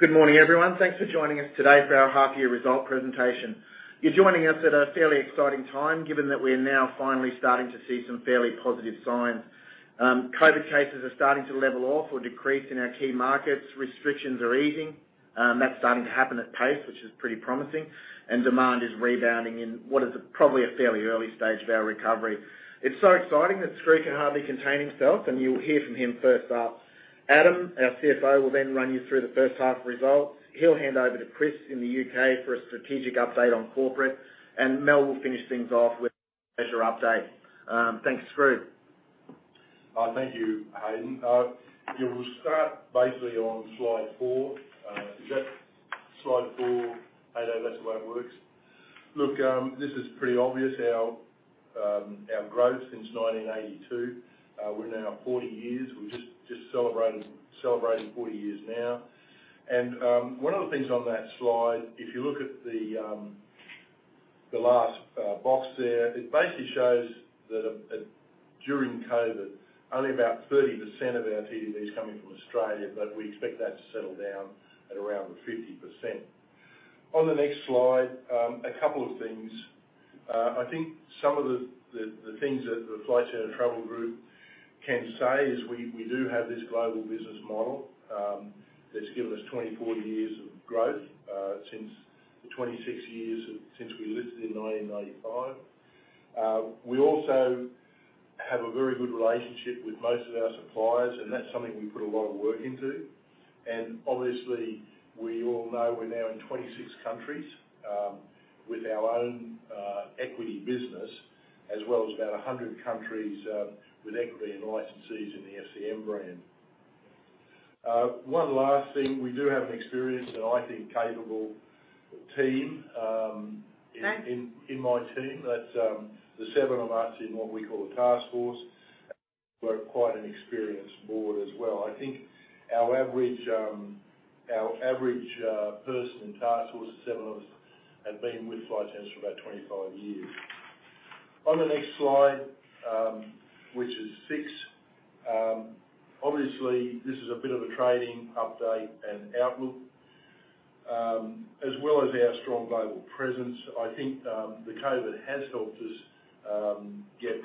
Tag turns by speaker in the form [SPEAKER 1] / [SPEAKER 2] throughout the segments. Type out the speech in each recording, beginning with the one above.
[SPEAKER 1] Good morning, everyone. Thanks for joining us today for our half year result presentation. You're joining us at a fairly exciting time, given that we are now finally starting to see some fairly positive signs. COVID cases are starting to level off or decrease in our key markets. Restrictions are easing, that's starting to happen at pace, which is pretty promising. Demand is rebounding in what is probably a fairly early stage of our recovery. It's so exciting that Skroo can hardly contain himself, and you'll hear from him first up. Adam, our CFO, will then run you through the first half results. He'll hand over to Chris in the U.K. for a strategic update on Corporate, and Mel will finish things off with Leisure update. Thanks, Skroo.
[SPEAKER 2] Thank you, Haydn. Yeah, we'll start basically on slide four. Is that slide four, Haydn? That's the way it works. Look, this is pretty obvious how our growth since 1982. We're now 40 years. We're just celebrating 40 years now. One of the things on that slide, if you look at the last box there, it basically shows that during COVID, only about 30% of our TTVs coming from Australia, but we expect that to settle down at around the 50%. On the next slide, a couple of things. I think some of the things that the Flight Centre Travel Group can say is we do have this global business model that's given us 24 years of growth, 26 years since we listed in 1995. We also have a very good relationship with most of our suppliers, and that's something we put a lot of work into. Obviously, we all know we're now in 26 countries with our own equity business, as well as about 100 countries with equity and licensees in the FCM brand. One last thing, we do have an experienced and I think capable team in my team. That's the seven of us in what we call a task force. We've got quite an experienced board as well. I think our average person in task force, seven of us, have been with Flight Centre for about 25 years. On the next slide, which is six, obviously, this is a bit of a trading update and outlook, as well as our strong global presence. I think the COVID has helped us get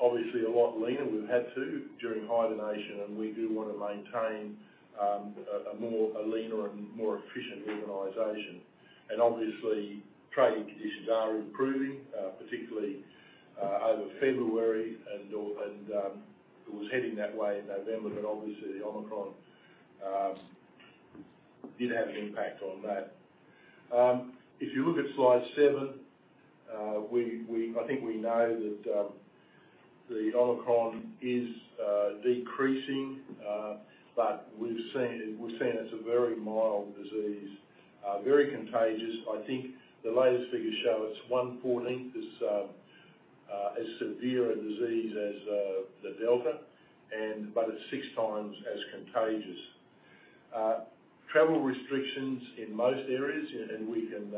[SPEAKER 2] obviously a lot leaner. We've had to during hibernation, and we do wanna maintain a leaner and more efficient organization. Obviously, trading conditions are improving, particularly over February and all, and it was heading that way in November, but obviously, the Omicron did have an impact on that. If you look at slide seven, I think we know that the Omicron is decreasing, but we've seen it's a very mild disease, very contagious. I think the latest figures show it's 1/14 as severe a disease as the Delta, but it's 6x as contagious. Travel restrictions in most areas, and we can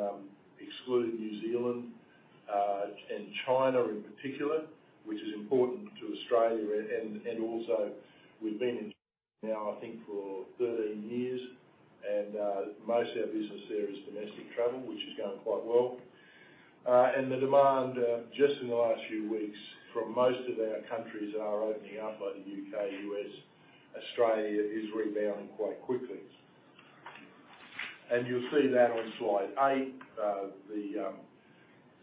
[SPEAKER 2] exclude New Zealand and China in particular, which is important to Australia, also we've been in China now, I think, for 13 years. Most of our business there is domestic travel, which is going quite well. The demand just in the last few weeks in most of our countries, which are opening up, like the U.K., U.S., Australia, is rebounding quite quickly. You'll see that on slide eight,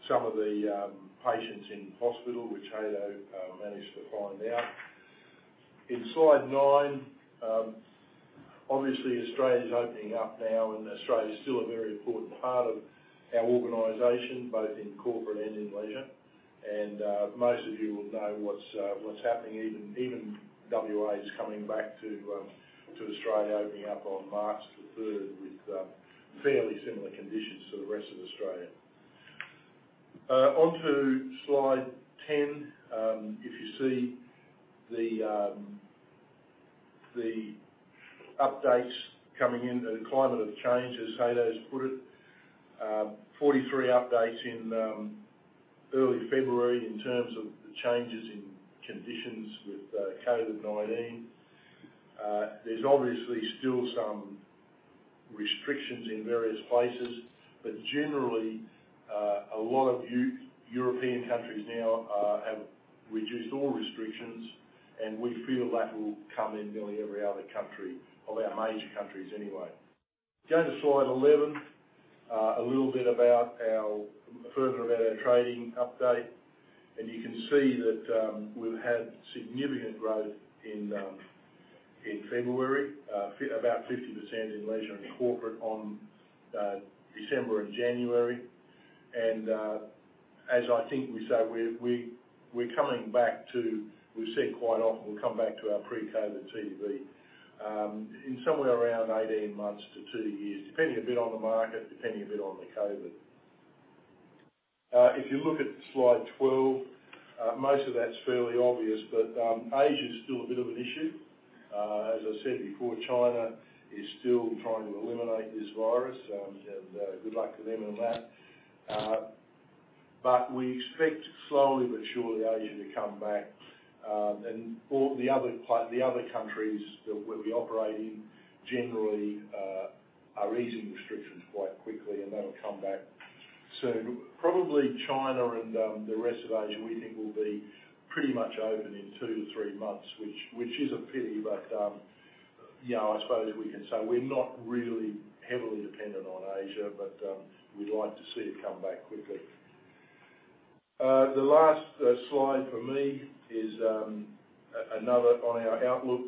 [SPEAKER 2] some of the patients in hospital, which Haydn managed to find out. On slide nine, obviously, Australia is opening up now, and Australia is still a very important part of our organization, both in Corporate and in Leisure. Most of you will know what's happening. Even WA is coming back to Australia, opening up on March 3rd with fairly similar conditions to the rest of Australia. On slide 10, if you see the updates coming in, the climate of change, as Haydn's put it. 43 updates in early February in terms of the changes in conditions with COVID-19. There's obviously still some restrictions in various places, but generally, a lot of European countries now have reduced all restrictions, and we feel that will come in nearly every other country, all our major countries anyway. Going to slide 11, a little bit further about our trading update. You can see that, we've had significant growth in February about 50% in Leisure and Corporate on December and January. As I think we say, we've said quite often we'll come back to our pre-COVID TTV in somewhere around 18 months to two years, depending a bit on the market, depending a bit on the COVID. If you look at slide 12, most of that's fairly obvious, but Asia is still a bit of an issue. As I said before, China is still trying to eliminate this virus, and good luck to them on that. We expect slowly but surely Asia to come back. All the other countries that we operate in generally are easing restrictions quite quickly, and they'll come back soon. Probably China and the rest of Asia, we think will be pretty much open in two-three months, which is a pity. You know, I suppose we can say we're not really heavily dependent on Asia, but we'd like to see it come back quickly. The last slide for me is another on our outlook.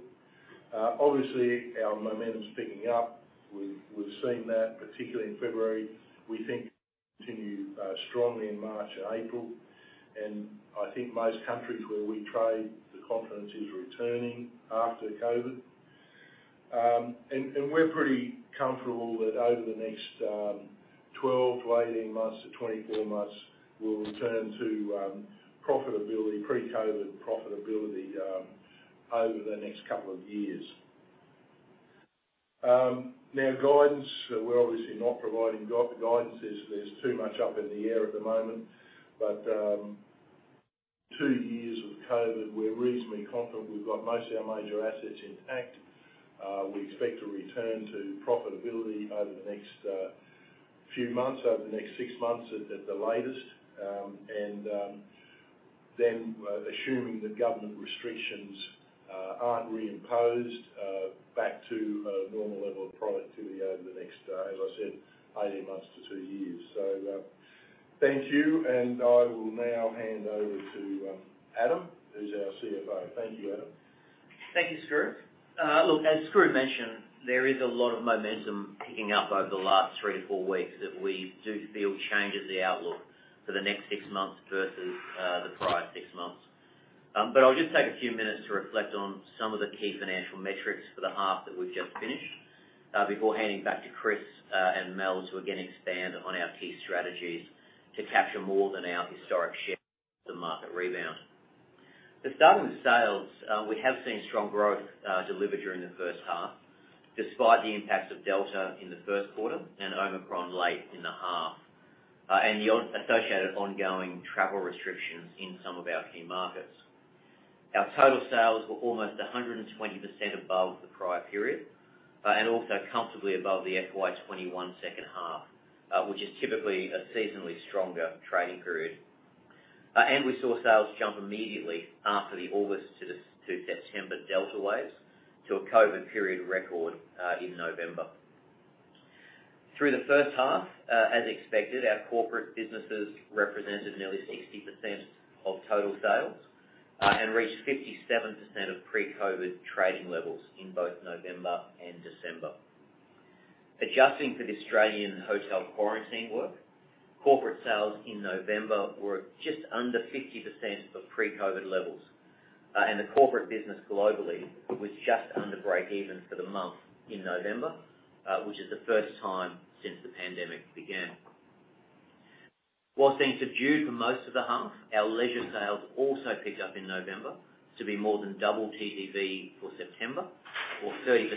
[SPEAKER 2] Obviously, our momentum is picking up. We've seen that, particularly in February. We think it continued strongly in March and April. I think most countries where we trade, the confidence is returning after COVID. We're pretty comfortable that over the next 12, 18 months to 24 months, we'll return to profitability, pre-COVID profitability, over the next couple of years. Now guidance, we're obviously not providing guidance. There's too much up in the air at the moment. Two years of COVID, we're reasonably confident we've got most of our major assets intact. We expect to return to profitability over the next few months, over the next six months at the latest. Assuming that government restrictions aren't reimposed, back to a normal level of productivity over the next, as I said, 18 months to two years. Thank you. I will now hand over to, Adam, who's our CFO. Thank you, Adam.
[SPEAKER 3] Thank you, Skroo. Look, as Skroo mentioned, there is a lot of momentum picking up over the last three-four weeks that we do feel changes the outlook for the next six months versus the prior six months. I'll just take a few minutes to reflect on some of the key financial metrics for the half that we've just finished before handing back to Chris and Mel to again expand on our key strategies to capture more than our historic share of the market rebound. To start with sales, we have seen strong growth delivered during the first half, despite the impacts of Delta in the first quarter and Omicron late in the half and the associated ongoing travel restrictions in some of our key markets. Our total sales were almost 120% above the prior period, and also comfortably above the FY 2021 second half, which is typically a seasonally stronger trading period. We saw sales jump immediately after the August to September Delta waves to a COVID-period record in November. Through the first half, as expected, our Corporate businesses represented nearly 60% of total sales, and reached 57% of pre-COVID trading levels in both November and December. Adjusting for the Australian hotel quarantine work, Corporate sales in November were just under 50% of pre-COVID levels. The Corporate business globally was just under breakeven for the month in November, which is the first time since the pandemic began. While being subdued for most of the half, our Leisure sales also picked up in November to be more than double TTV for September or 30%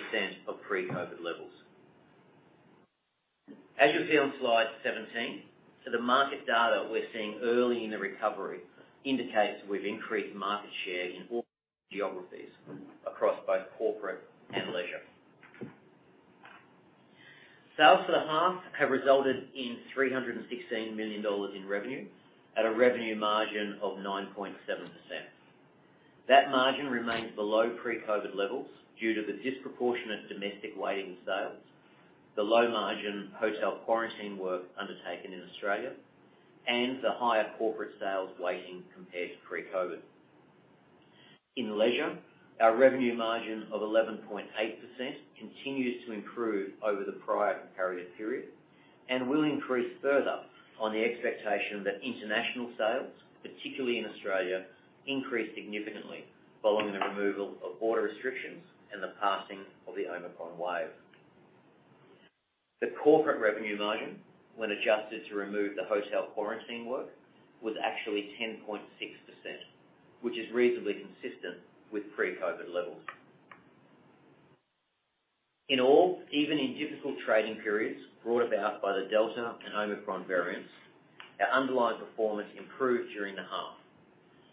[SPEAKER 3] of pre-COVID levels. As you'll see on slide 17, so the market data we're seeing early in the recovery indicates we've increased market share in all geographies across both Corporate and Leisure. Sales for the half have resulted in 316 million dollars in revenue at a revenue margin of 9.7%. That margin remains below pre-COVID levels due to the disproportionate domestic weighting sales, the low margin hotel quarantine work undertaken in Australia, and the higher Corporate sales weighting compared to pre-COVID. In Leisure, our revenue margin of 11.8% continues to improve over the prior compared period and will increase further on the expectation that international sales, particularly in Australia, increase significantly following the removal of border restrictions and the passing of the Omicron wave. The Corporate revenue margin, when adjusted to remove the hotel quarantine work, was actually 10.6%, which is reasonably consistent with pre-COVID levels. In all, even in difficult trading periods brought about by the Delta and Omicron variants, our underlying performance improved during the half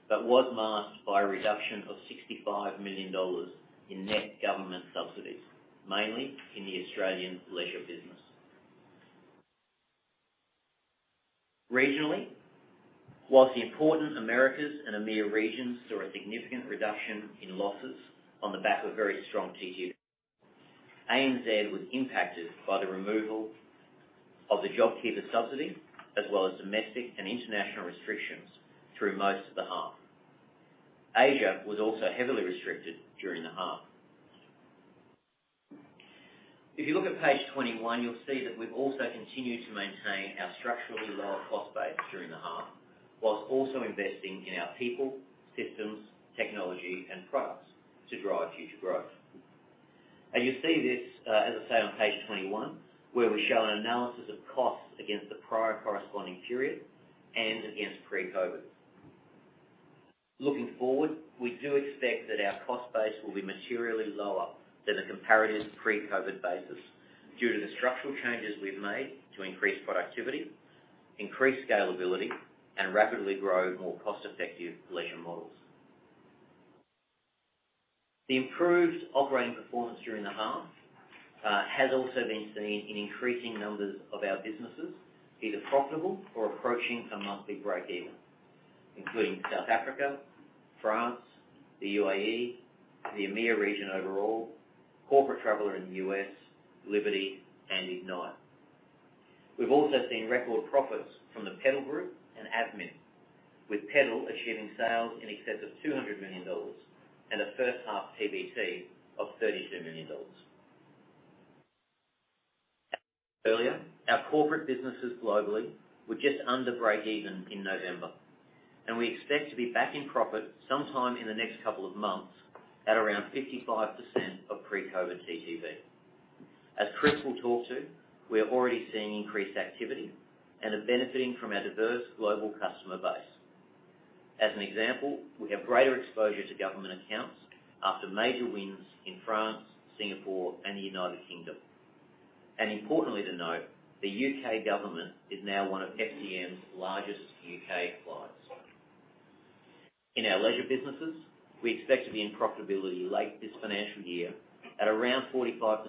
[SPEAKER 3] but was masked by a reduction of 65 million dollars in net government subsidies, mainly in the Australian Leisure business. Regionally, while the important Americas and EMEA regions saw a significant reduction in losses on the back of very strong TTV, ANZ was impacted by the removal of the JobKeeper subsidy as well as domestic and international restrictions through most of the half. Asia was also heavily restricted during the half. If you look at page 21, you'll see that we've also continued to maintain our structurally lower cost base during the half, while also investing in our people, systems, technology and products to drive future growth. As I say on page 21, where we show an analysis of costs against the prior corresponding period and against pre-COVID. Looking forward, we do expect that our cost base will be materially lower than a comparative pre-COVID basis due to the structural changes we've made to increase productivity, increase scalability, and rapidly grow more cost-effective Leisure models. The improved operating performance during the half has also been seen in increasing numbers of our businesses, either profitable or approaching a monthly breakeven, including South Africa, France, the UAE, the EMEA region overall, Corporate Traveller in the U.S., Liberty and Ignite. We've also seen record profits from the Pedal Group and Avmin, with Pedal achieving sales in excess of 200 million dollars and a first half PBT of 32 million dollars. Earlier, our Corporate businesses globally were just under breakeven in November, and we expect to be back in profit sometime in the next couple of months at around 55% of pre-COVID TTV. As Chris will talk to, we are already seeing increased activity and are benefiting from our diverse global customer base. As an example, we have greater exposure to government accounts after major wins in France, Singapore and the United Kingdom. Importantly to note, the U.K. government is now one of FCM's largest U.K. clients. In our Leisure businesses, we expect to be in profitability late this financial year at around 45%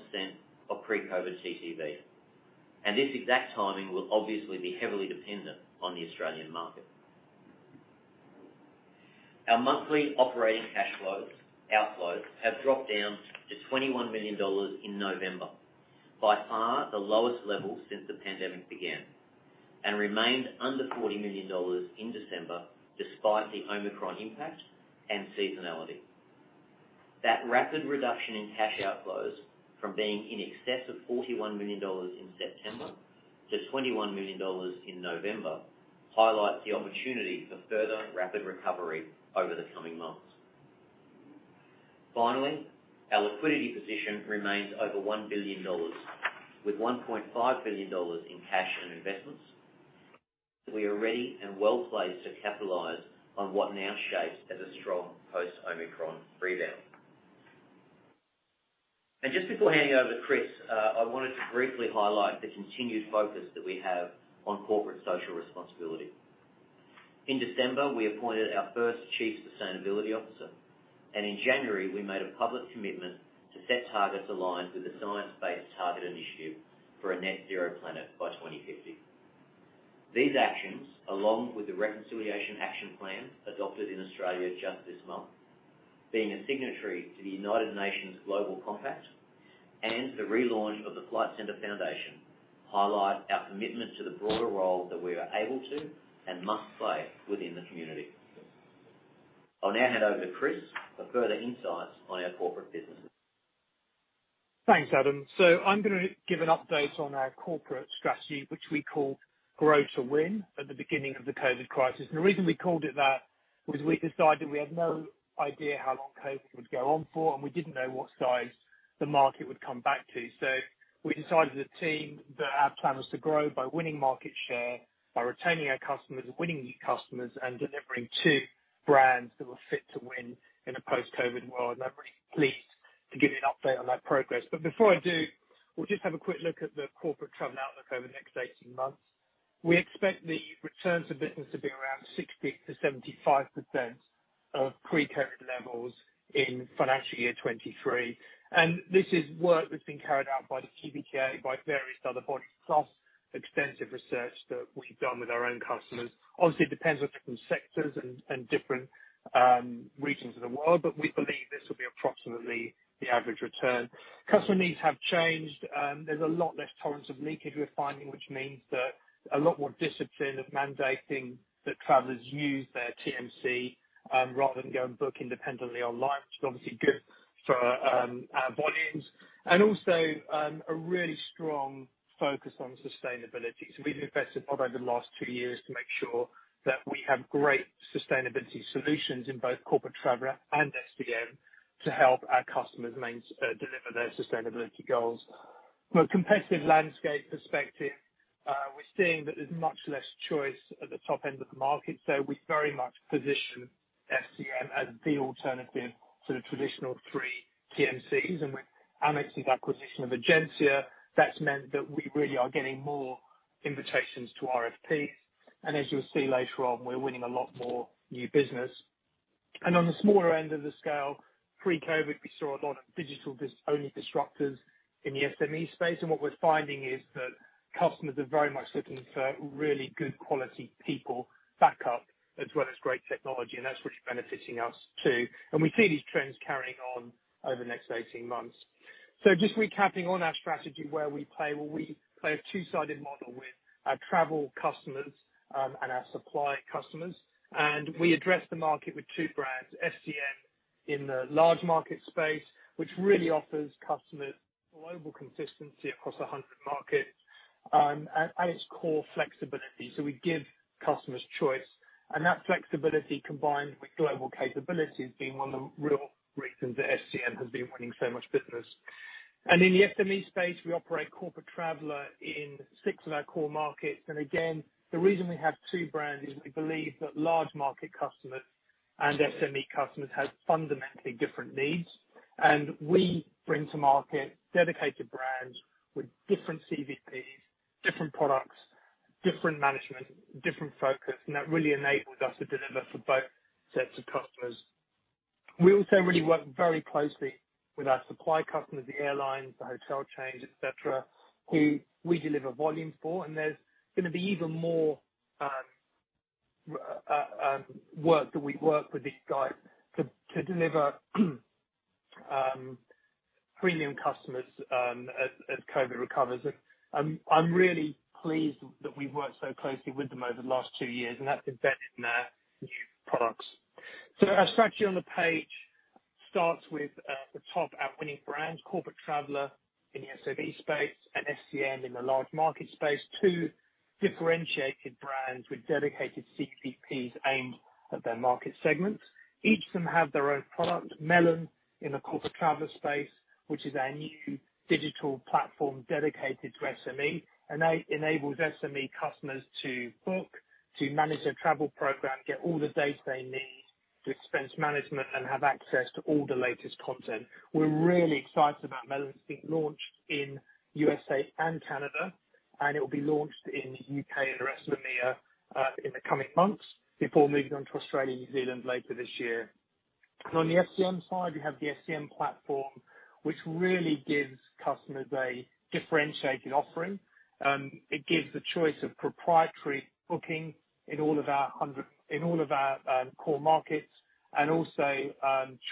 [SPEAKER 3] of pre-COVID TTV. This exact timing will obviously be heavily dependent on the Australian market. Our monthly operating cash outflows have dropped down to 21 million dollars in November, by far the lowest level since the pandemic began, and remained under 40 million dollars in December, despite the Omicron impact and seasonality. That rapid reduction in cash outflows from being in excess of 41 million dollars in September to 21 million dollars in November highlights the opportunity for further rapid recovery over the coming months. Finally, our liquidity position remains over 1 billion dollars, with 1.5 billion dollars in cash and investments. We are ready and well-placed to capitalize on what now shapes as a strong post-Omicron rebound. Just before handing over to Chris, I wanted to briefly highlight the continued focus that we have on Corporate Social Responsibility. In December, we appointed our first Chief Sustainability Officer, and in January we made a public commitment to set targets aligned with the Science Based Targets initiative for a Net Zero Planet by 2050. These actions, along with the Reconciliation Action Plan adopted in Australia just this month, being a signatory to the United Nations Global Compact and the relaunch of the Flight Centre Foundation, highlight our commitment to the broader role that we are able to and must play within the community. I'll now hand over to Chris for further insights on our Corporate businesses.
[SPEAKER 4] Thanks, Adam. I'm gonna give an update on our Corporate strategy, which we called Grow to Win at the beginning of the COVID crisis. The reason we called it that was we decided we had no idea how long COVID would go on for, and we didn't know what size the market would come back to. We decided as a team that our plan was to grow by winning market share, by retaining our customers and winning new customers, and delivering two brands that were fit to win in a post-COVID world. I'm really pleased to give you an update on that progress. Before I do, we'll just have a quick look at the Corporate Traveller outlook over the next 18 months. We expect the returns of business to be around 60%-75% of pre-COVID levels in FY 2023. This is work that's been carried out by the TTV, by various other bodies, plus extensive research that we've done with our own customers. Obviously, it depends on different sectors and different regions of the world, but we believe this will be approximately the average return. Customer needs have changed. There's a lot less tolerance of leakage we're finding, which means that a lot more discipline of mandating that travelers use their TMC rather than go and book independently online, which is obviously good for our volumes. Also, a really strong focus on sustainability. We've invested a lot over the last two years to make sure that we have great sustainability solutions in both Corporate Traveller and FCM to help our customers deliver their sustainability goals. From a competitive landscape perspective, we're seeing that there's much less choice at the top end of the market, so we very much position FCM as the alternative to the traditional three TMCs. With Amex's acquisition of Egencia, that's meant that we really are getting more invitations to RFP. As you'll see later on, we're winning a lot more new business. On the smaller end of the scale, pre-COVID, we saw a lot of digital-only disruptors in the SME space. What we're finding is that customers are very much looking for really good quality people back up as well as great technology, and that's really benefiting us too. We see these trends carrying on over the next 18 months. Just recapping on our strategy, where we play. Well, we play a two-sided model with our travel customers, and our supply customers. We address the market with two brands, FCM in the large market space, which really offers customers global consistency across 100 markets, and its core flexibility. We give customers choice, and that flexibility combined with global capability has been one of the real reasons that FCM has been winning so much business. In the SME space, we operate Corporate Traveller in six of our core markets. Again, the reason we have two brands is we believe that large market customers and SME customers have fundamentally different needs. We bring to market dedicated brands with different CVPs, different products, different management, different focus, and that really enables us to deliver for both sets of customers. We also really work very closely with our supply customers, the airlines, the hotel chains, et cetera, who we deliver volume for, and there's gonna be even more work that we work with these guys to deliver premium customers as COVID recovers. I'm really pleased that we've worked so closely with them over the last two years, and that's embedded in their new products. Our strategy on the page starts with the standout winning brands, Corporate Traveller in the SME space and FCM in the large market space. Two differentiated brands with dedicated CVPs aimed at their market segments. Each of them have their own product. Melon in the Corporate Traveller space, which is our new digital platform dedicated to SME, and enables SME customers to book, to manage their travel program, get all the data they need, do expense management, and have access to all the latest content. We're really excited about Melon being launched in U.S. and Canada, and it'll be launched in U.K. and the rest of EMEA in the coming months before moving on to Australia and New Zealand later this year. On the FCM side, we have the FCM platform, which really gives customers a differentiated offering. It gives the choice of proprietary booking in all of our core markets, and also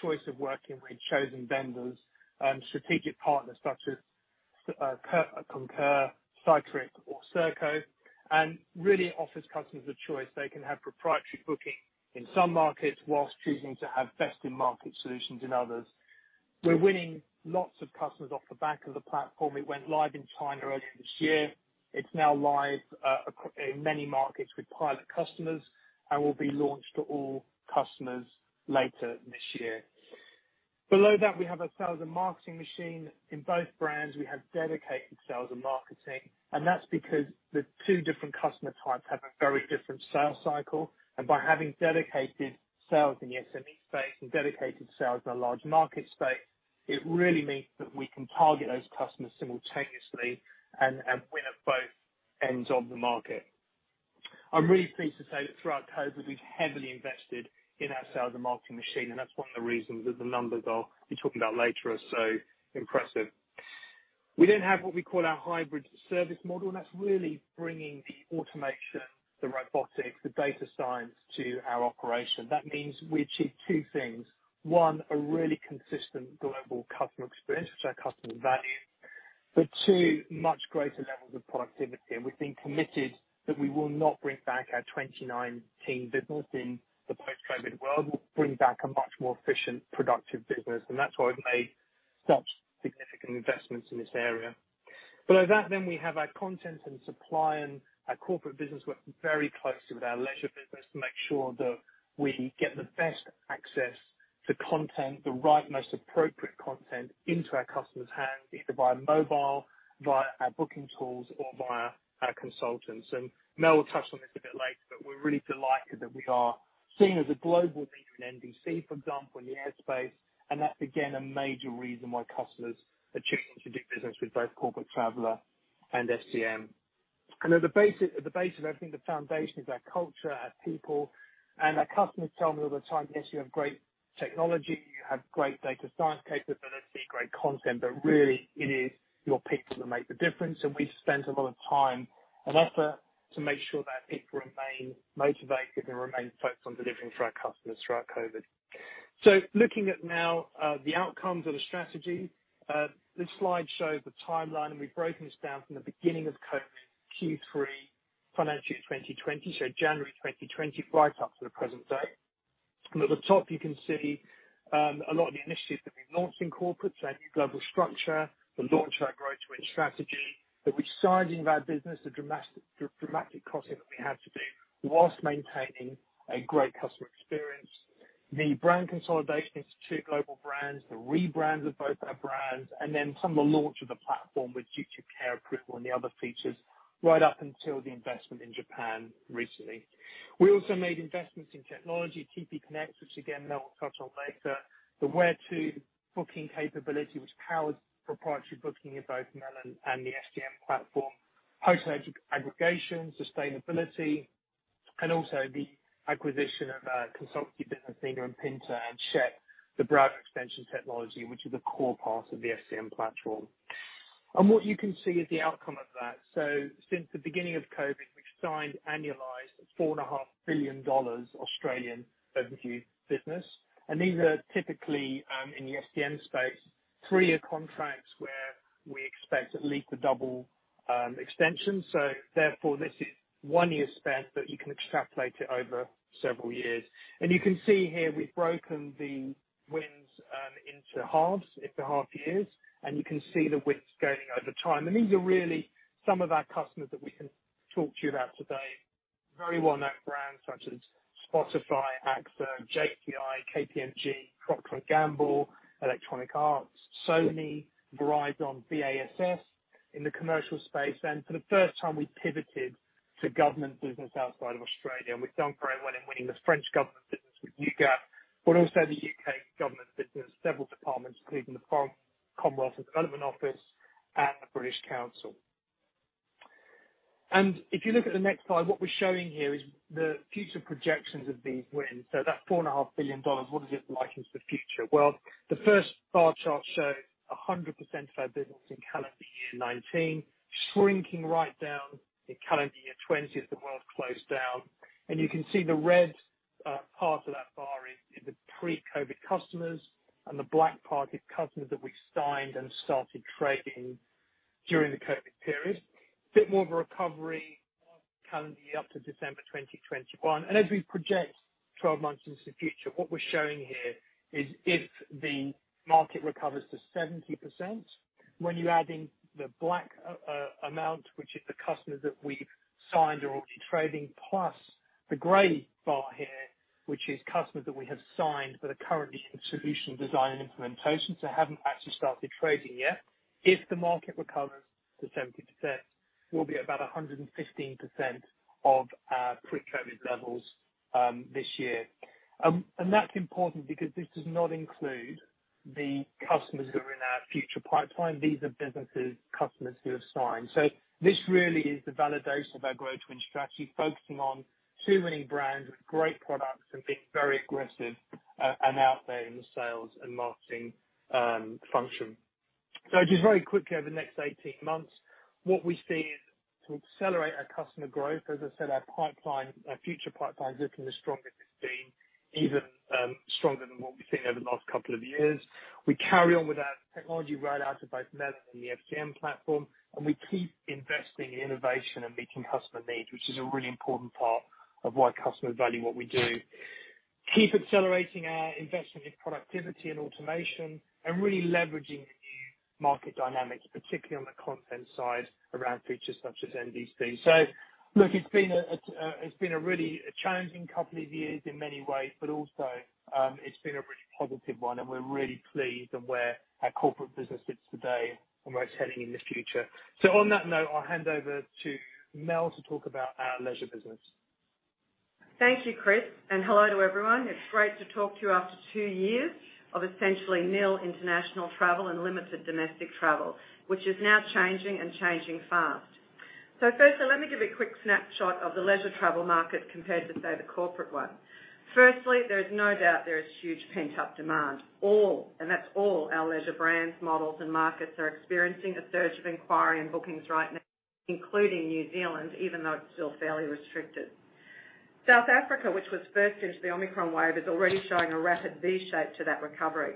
[SPEAKER 4] choice of working with chosen vendors and strategic partners such as Concur, Cytric or Serko, and really offers customers a choice. They can have proprietary booking in some markets while choosing to have best in market solutions in others. We're winning lots of customers off the back of the platform. It went live in China earlier this year. It's now live in many markets with pilot customers and will be launched to all customers later this year. Below that, we have our sales and marketing machine. In both brands, we have dedicated sales and marketing, and that's because the two different customer types have a very different sales cycle. By having dedicated sales in the SME space and dedicated sales in the large market space, it really means that we can target those customers simultaneously and win at both ends of the market. I'm really pleased to say that throughout COVID, we've heavily invested in our sales and marketing machine, and that's one of the reasons that the numbers I'll be talking about later are so impressive. We then have what we call our hybrid service model, and that's really bringing the automation, the robotics, the data science to our operation. That means we achieve two things. One, a really consistent global customer experience, which our customers value. Two, much greater levels of productivity. We've been committed that we will not bring back our 2019 business in the post-COVID world. We'll bring back a much more efficient, productive business, and that's why we've made such significant investments in this area. Below that we have our content and supply, and our Corporate business works very closely with our Leisure business to make sure that we get the best access to content, the right most appropriate content into our customers' hands, either via mobile, via our booking tools or via our consultants. Mel will touch on this a bit later, but we're really delighted that we are seen as a global leader in NDC, for example, in the air space. That's again a major reason why customers are choosing to do business with both Corporate Traveller and FCM. At the base of everything, the foundation is our culture, our people. Our customers tell me all the time, "Yes, you have great technology, you have great data science capabilities, great content, but really it is your people that make the difference." We've spent a lot of time and effort to make sure that our people remain motivated and remain focused on delivering for our customers throughout COVID. Looking at now, the outcomes of the strategy. This slide shows the timeline, and we've broken this down from the beginning of COVID Q3 financial 2020, so January 2020, right up to the present day. At the top you can see a lot of the initiatives that we've launched in Corporate, so our new global structure, the launch of our Grow to Win strategy, that we're resizing our business, the dramatic cutting that we had to do while maintaining a great customer experience. The brand consolidation into two global brands, the rebrand of both our brands, and then some of the launch of the platform with Duty of Care Approval and the other features right up until the investment in Japan recently. We also made investments in technology, TPConnects, which again, Mel will touch on later, the WhereTo booking capability, which powered proprietary booking in both Melon and the FCM Platform, hotel aggregation, sustainability, and also the acquisition of our consultancy business, TPConnects and Shep, the browser extension technology, which is a core part of the FCM Platform. What you can see is the outcome of that. Since the beginning of COVID, we've signed annualized 4.5 billion Australian dollars Australian revenue business. These are typically in the FCM space, three-year contracts where we expect at least a double extension. This is one year spent, but you can extrapolate it over several years. You can see here we've broken the wins into half years, and you can see the wins going over time. These are really some of our customers that we can talk to you about today. Very well-known brands such as Spotify, AXA, JPI, KPMG, Procter & Gamble, Electronic Arts, Sony, Bridgestone in the commercial space. For the first time, we pivoted to government business outside of Australia, and we've done very well in winning this French government business with UGAP, but also the U.K. government business, several departments, including the Foreign, Commonwealth and Development Office and the British Council. If you look at the next slide, what we're showing here is the future projections of these wins. That 4.5 billion dollars, what is it like into the future? Well, the first bar chart shows 100% of our business in calendar year 2019, shrinking right down in calendar year 2020 as the world closed down. You can see the red part of that bar is the pre-COVID customers and the black part is customers that we signed and started trading during the COVID period. A bit more of a recovery in calendar year up to December 2021. As we project 12 months into the future, what we're showing here is if the market recovers to 70%, when you add in the black amount, which is the customers that we've signed or already trading, plus the gray bar here, which is customers that we have signed but are currently in solution design and implementation, so haven't actually started trading yet. If the market recovers to 70%, we'll be at about 115% of our pre-COVID levels this year. That's important because this does not include the customers that are in our future pipeline. These are businesses, customers who have signed. This really is the validation of our Grow to Win strategy, focusing on too many brands with great products and being very aggressive and out there in the sales and marketing function. Just very quickly, over the next 18 months, what we see is to accelerate our customer growth. As I said, our pipeline, our future pipeline is looking the strongest it's been, even stronger than what we've seen over the last couple of years. We carry on with our technology roll out to both Melon and the FCM Platform, and we keep investing in innovation and meeting customer needs, which is a really important part of why customers value what we do. Keep accelerating our investment in productivity and automation, and really leveraging the new market dynamics, particularly on the content side around features such as NDC. Look, it's been a really challenging couple of years in many ways, but also, it's been a really positive one and we're really pleased on where our Corporate business sits today and where it's heading in the future. On that note, I'll hand over to Mel to talk about our Leisure business.
[SPEAKER 5] Thank you, Chris, and hello to everyone. It's great to talk to you after two years of essentially nil international travel and limited domestic travel, which is now changing and changing fast. Firstly, let me give a quick snapshot of the Leisure travel market compared to, say, the Corporate one. Firstly, there is no doubt there is huge pent-up demand. All, and that's all our Leisure brands, models, and markets are experiencing a surge of inquiry and bookings right now, including New Zealand, even though it's still fairly restricted. South Africa, which was first into the Omicron wave, is already showing a rapid V shape to that recovery.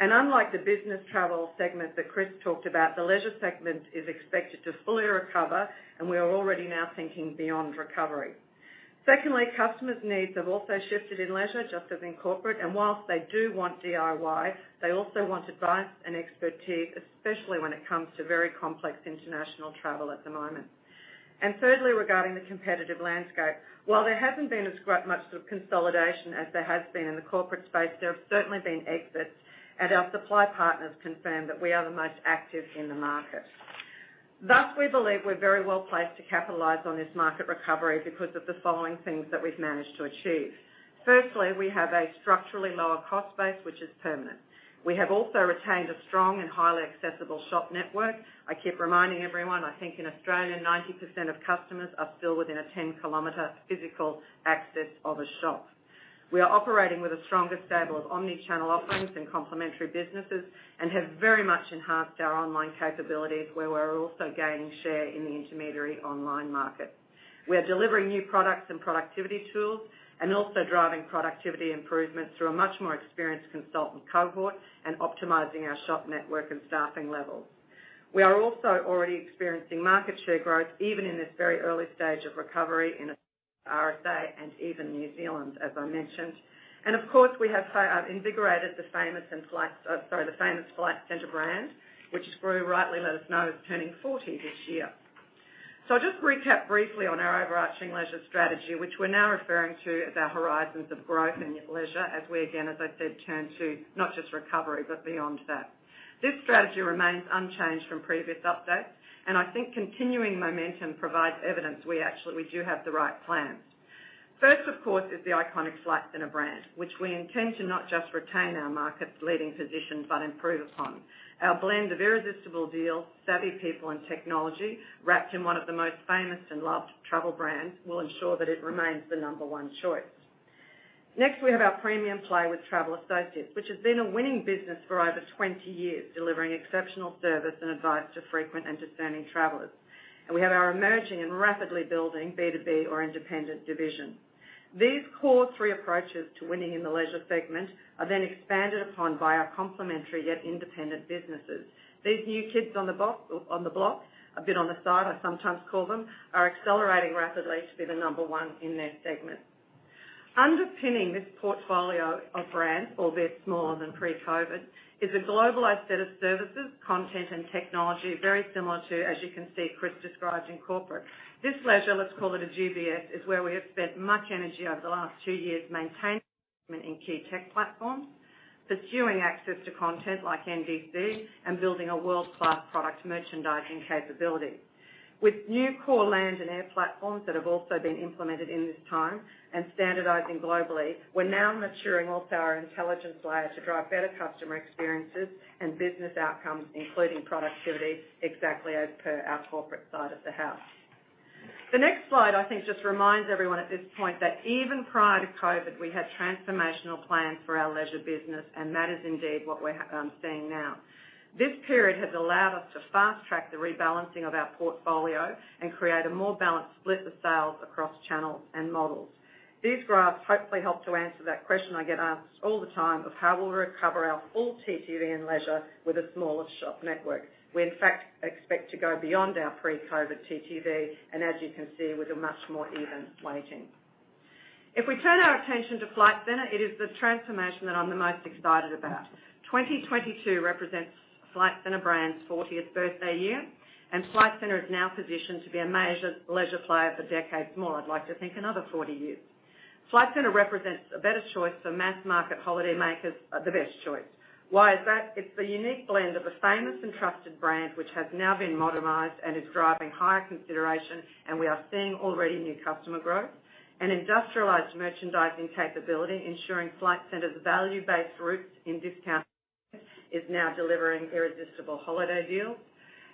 [SPEAKER 5] Unlike the business travel segment that Chris talked about, the Leisure segment is expected to fully recover and we are already now thinking beyond recovery. Secondly, customers' needs have also shifted in Leisure, just as in Corporate, and while they do want DIY, they also want advice and expertise, especially when it comes to very complex international travel at the moment. Thirdly, regarding the competitive landscape, while there hasn't been as much sort of consolidation as there has been in the Corporate space, there have certainly been exits, and our supply partners confirm that we are the most active in the market. Thus, we believe we're very well placed to capitalize on this market recovery because of the following things that we've managed to achieve. Firstly, we have a structurally lower cost base, which is permanent. We have also retained a strong and highly accessible shop network. I keep reminding everyone, I think in Australia, 90% of customers are still within a 10 km physical access of a shop. We are operating with a stronger stable of omnichannel offerings and complementary businesses and have very much enhanced our online capabilities where we're also gaining share in the intermediary online market. We are delivering new products and productivity tools, and also driving productivity improvements through a much more experienced consultant cohort and optimizing our shop network and staffing levels. We are also already experiencing market share growth, even in this very early stage of recovery in RSA and even New Zealand, as I mentioned. Of course, we have invigorated the famous Flight Centre brand, which as Skroo rightly let us know, is turning 40 this year. I'll just recap briefly on our overarching Leisure strategy, which we're now referring to as our horizons of growth and Leisure as we again, as I said, turn to not just recovery, but beyond that. This strategy remains unchanged from previous updates, and I think continuing momentum provides evidence we actually, we do have the right plans. First, of course, is the iconic Flight Centre brand, which we intend to not just retain our market's leading position but improve upon. Our blend of irresistible deals, savvy people and technology, wrapped in one of the most famous and loved travel brands, will ensure that it remains the number one choice. Next, we have our premium play with Travel Associates, which has been a winning business for over 20 years, delivering exceptional service and advice to frequent and discerning travelers. We have our emerging and rapidly building B2B or independent division. These core three approaches to winning in the Leisure segment are then expanded upon by our complementary yet independent businesses. These new kids on the block, a bit on the side I sometimes call them, are accelerating rapidly to be the number one in their segment. Underpinning this portfolio of brands, albeit smaller than pre-COVID, is a globalized set of services, content, and technology, very similar to, as you can see, Chris described in Corporate. This Leisure, let's call it a GBS, is where we have spent much energy over the last two years maintaining investment in key tech platforms, pursuing access to content like NDC, and building a world-class product merchandising capability. With new core land and air platforms that have also been implemented in this time and standardizing globally, we're now maturing also our intelligence layer to drive better customer experiences and business outcomes, including productivity, exactly as per our Corporate side of the house. The next slide, I think, just reminds everyone at this point that even prior to COVID, we had transformational plans for our Leisure business, and that is indeed what we're seeing now. This period has allowed us to fast-track the rebalancing of our portfolio and create a more balanced split of sales across channels and models. These graphs hopefully help to answer that question I get asked all the time of how we'll recover our full TTV in Leisure with a smaller shop network. We, in fact, expect to go beyond our pre-COVID TTV, and as you can see, with a much more even weighting. If we turn our attention to Flight Centre, it is the transformation that I'm the most excited about. 2022 represents Flight Centre brand's 40th birthday year, and Flight Centre is now positioned to be a major Leisure player for decades more. I'd like to think another 40 years. Flight Centre represents a better choice for mass-market holidaymakers, the best choice. Why is that? It's the unique blend of a famous and trusted brand which has now been modernized and is driving higher consideration, and we are seeing already new customer growth. An industrialized merchandising capability, ensuring Flight Centre's value-based roots in discounts is now delivering irresistible holiday deals.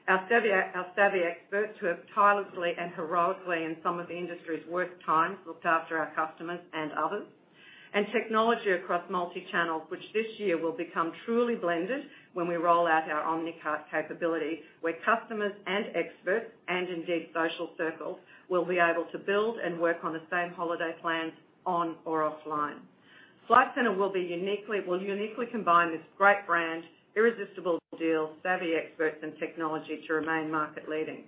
[SPEAKER 5] Our savvy experts, who have tirelessly and heroically in some of the industry's worst times, looked after our customers and others. Technology across multi-channels, which this year will become truly blended when we roll out our Omnicart capability, where customers and experts, and indeed social circles, will be able to build and work on the same holiday plans on or offline. Flight Centre will uniquely combine this great brand, irresistible deals, savvy experts and technology to remain market-leading.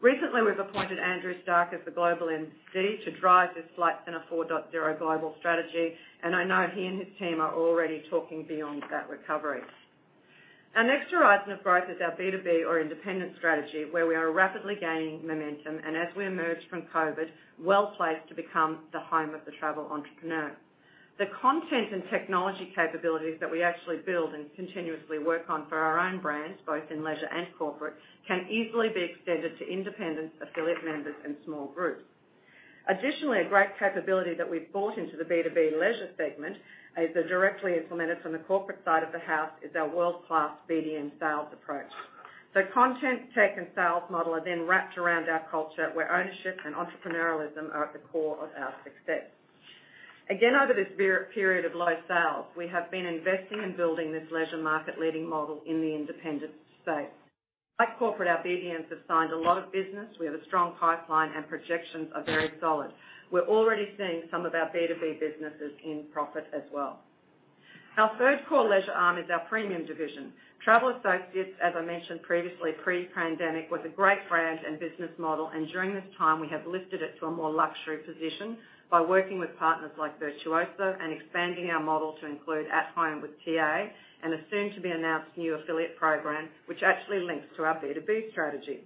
[SPEAKER 5] Recently, we've appointed Andrew Stark as the global MD to drive this Flight Centre 4.0 global strategy, and I know he and his team are already talking beyond that recovery. Our next horizon of growth is our B2B or independent strategy, where we are rapidly gaining momentum, and as we emerge from COVID, well-placed to become the home of the travel entrepreneur. The content and technology capabilities that we actually build and continuously work on for our own brands, both in Leisure and Corporate, can easily be extended to independent affiliate members and small groups. Additionally, a great capability that we've brought into the B2B Leisure segment, they're directly implemented from the Corporate side of the house, is our world-class BDM sales approach. Content, tech, and sales model are then wrapped around our culture where ownership and entrepreneurialism are at the core of our success. Over this period of low sales, we have been investing in building this Leisure market-leading model in the independent space. Like Corporate, our BDMs have signed a lot of business. We have a strong pipeline, and projections are very solid. We're already seeing some of our B2B businesses in profit as well. Our third core Leisure arm is our premium division. Travel Associates, as I mentioned previously, pre-pandemic, was a great brand and business model, and during this time, we have lifted it to a more luxury position by working with partners like Virtuoso and expanding our model to include At Home with TA and a soon-to-be-announced new affiliate program, which actually links to our B2B strategy.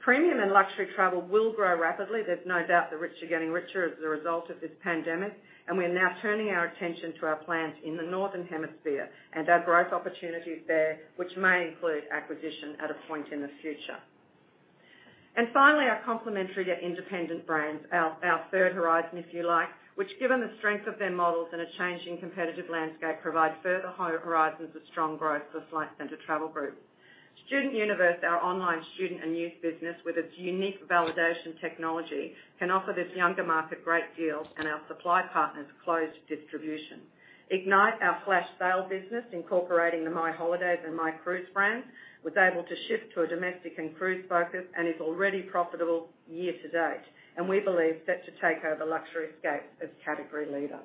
[SPEAKER 5] Premium and luxury travel will grow rapidly. There's no doubt the rich are getting richer as a result of this pandemic, and we are now turning our attention to our plans in the Northern Hemisphere and our growth opportunities there, which may include acquisition at a point in the future. Finally, our complementary to independent brands, our third horizon, if you like, which given the strength of their models in a changing competitive landscape, provide further horizons of strong growth for Flight Centre Travel Group. StudentUniverse, our online student and youth business with its unique validation technology, can offer this younger market great deals and our supply partners controlled distribution. Ignite, our flash sale business, incorporating the My Holiday and My Cruise brands, was able to shift to a domestic and cruise focus and is already profitable year-to-date. We believe set to take over Luxury Escapes as category leader.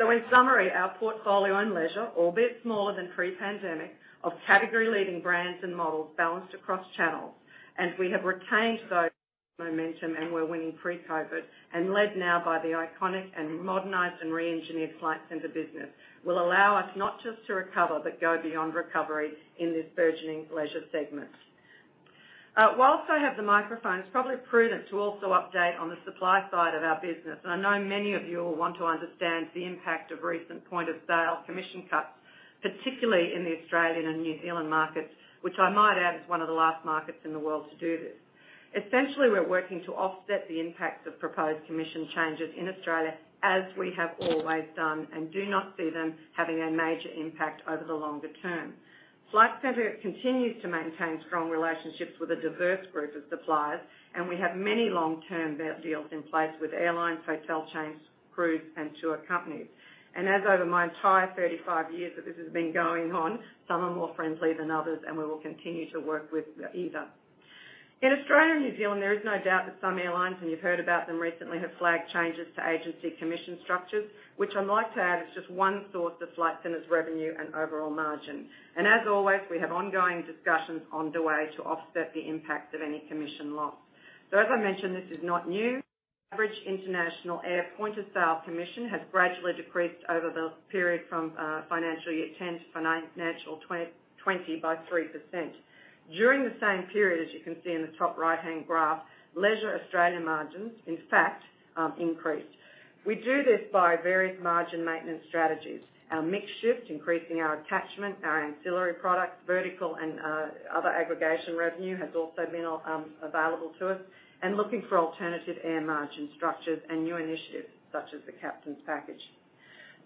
[SPEAKER 5] In summary, our portfolio in Leisure, albeit smaller than pre-pandemic, of category-leading brands and models balanced across channels, we have retained that momentum and were winning pre-COVID and led now by the iconic and modernized and reengineered Flight Centre business, will allow us not just to recover, but go beyond recovery in this burgeoning Leisure segment. While I have the microphone, it's probably prudent to also update on the supply side of our business. I know many of you will want to understand the impact of recent point-of-sale commission cuts, particularly in the Australian and New Zealand markets, which I might add is one of the last markets in the world to do this. Essentially, we're working to offset the impacts of proposed commission changes in Australia as we have always done and do not see them having a major impact over the longer term. Flight Centre continues to maintain strong relationships with a diverse group of suppliers, and we have many long-term deals in place with airlines, hotel chains, cruise, and tour companies. As over my entire 35 years that this has been going on, some are more friendly than others, and we will continue to work with either. In Australia and New Zealand, there is no doubt that some airlines, and you've heard about them recently, have flagged changes to agency commission structures, which I'd like to add is just one source of Flight Centre's revenue and overall margin. As always, we have ongoing discussions underway to offset the impact of any commission loss. As I mentioned, this is not new. Average international air point-of-sale commission has gradually decreased over the period from financial year 2010 to financial 2020 by 3%. During the same period, as you can see in the top right-hand graph, Leisure Australian margins, in fact, increased. We do this by various margin maintenance strategies. Our mix shift, increasing our attachment, our ancillary products, vertical and other aggregation revenue has also been available to us and looking for alternative air margin structures and new initiatives such as the Captain's Package.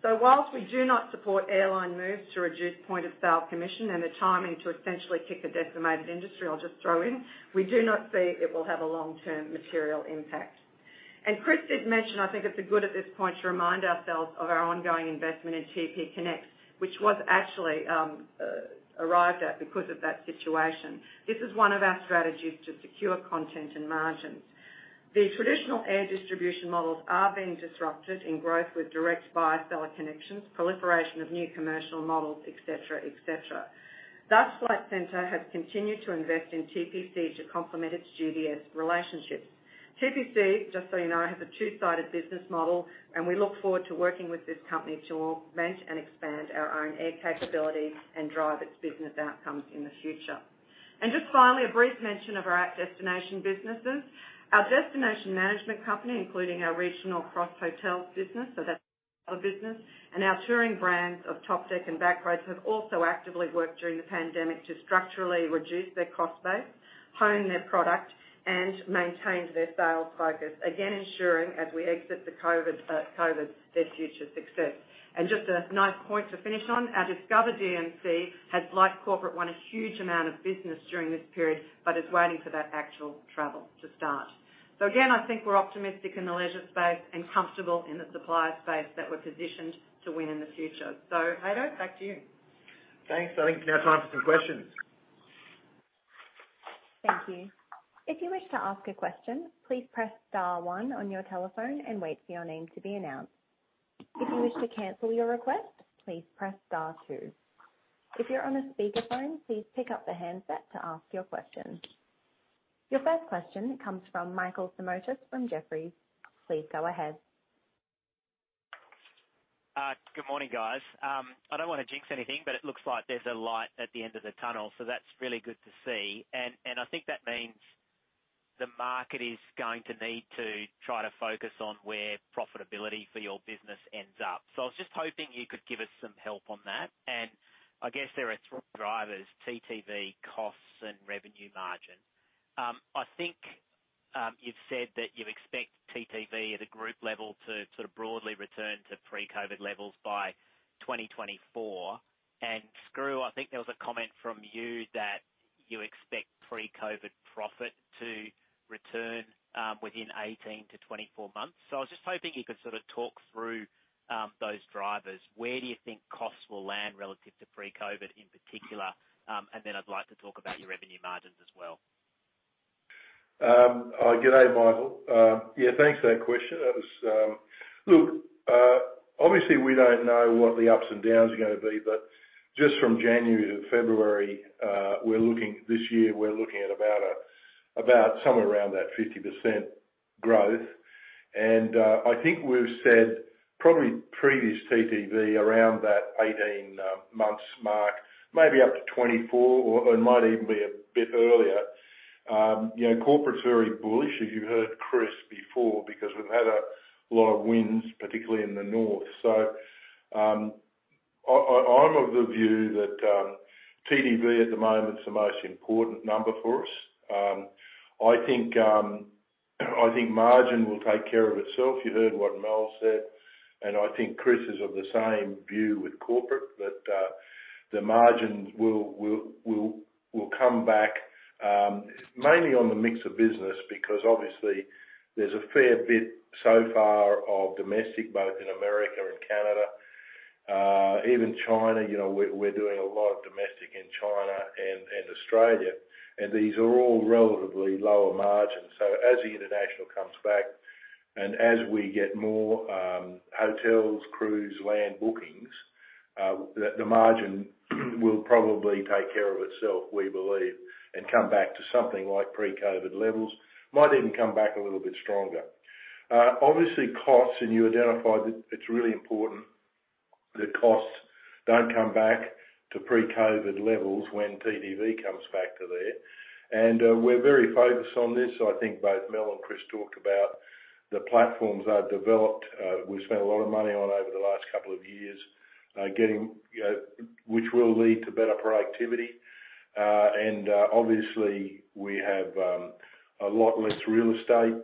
[SPEAKER 5] While we do not support airline moves to reduce point-of-sale commission and the timing to essentially kick a decimated industry, I'll just throw in, we do not see it will have a long-term material impact. Chris did mention, I think it's good at this point to remind ourselves of our ongoing investment in TPConnects, which was actually arrived at because of that situation. This is one of our strategies to secure content and margins. The traditional air distribution models are being disrupted in growth with direct buyer-seller connections, proliferation of new commercial models, et cetera, et cetera. Thus, Flight Centre has continued to invest in TPConnects to complement its GDS relationship. TPConnects, just so you know, has a two-sided business model, and we look forward to working with this company to augment and expand our own air capabilities and drive its business outcomes in the future. Just finally, a brief mention of our destination businesses. Our destination management company, including our regional Cross Hotels business, so that's our business, and our touring brands of Topdeck and Back-Roads, have also actively worked during the pandemic to structurally reduce their cost base, hone their product, and maintain their sales focus. Again, ensuring as we exit the COVID their future success. Just a nice point to finish on, our Discova DMC has, like Corporate, won a huge amount of business during this period, but is waiting for that actual travel to start. Again, I think we're optimistic in the Leisure space and comfortable in the supplier space that we're positioned to win in the future. Haydn, back to you.
[SPEAKER 1] Thanks. I think it's now time for some questions.
[SPEAKER 6] Thank you. If you wish to ask a question, please press star one on your telephone and wait for your name to be announced. If you wish to cancel your request, please press star two. If you're on a speakerphone, please pick up the handset to ask your question. Your first question comes from Michael Simotas from Jefferies. Please go ahead.
[SPEAKER 7] Good morning, guys. I don't wanna jinx anything, but it looks like there's a light at the end of the tunnel, so that's really good to see. I think that means the market is going to need to try to focus on where profitability for your business ends up. I was just hoping you could give us some help on that. I guess there are three drivers: TTV, costs, and revenue margin. I think you've said that you expect TTV at a group level to sort of broadly return to pre-COVID levels by 2024. Skroo, I think there was a comment from you that you expect pre-COVID profit to return within 18-24 months. I was just hoping you could sort of talk through those drivers. Where do you think costs will land relative to pre-COVID in particular? I'd like to talk about your revenue margins as well.
[SPEAKER 2] Good day, Michael. Yeah, thanks for that question. Look, obviously we don't know what the ups and downs are gonna be, but just from January to February, this year we're looking at about somewhere around that 50% growth. I think we've said probably previous TTV around that 18 months mark, maybe up to 24 or it might even be a bit earlier. You know, Corporate's very bullish if you heard Chris before because we've had a lot of wins, particularly in the North. I'm of the view that TTV at the moment is the most important number for us. I think margin will take care of itself. You heard what Mel said, and I think Chris is of the same view with Corporate that the margins will come back mainly on the mix of business because obviously there's a fair bit so far of domestic, both in America and Canada. Even China, you know, we're doing a lot of domestic in China and Australia, and these are all relatively lower margins. As the international comes back and as we get more hotels, cruise, land bookings, the margin will probably take care of itself, we believe, and come back to something like pre-COVID levels. Might even come back a little bit stronger. Obviously costs, and you identified it's really important that costs don't come back to pre-COVID levels when TTV comes back to there. We're very focused on this. I think both Mel and Chris talked about the platforms they've developed. We've spent a lot of money on over the last couple of years getting which will lead to better productivity. Obviously we have a lot less real estate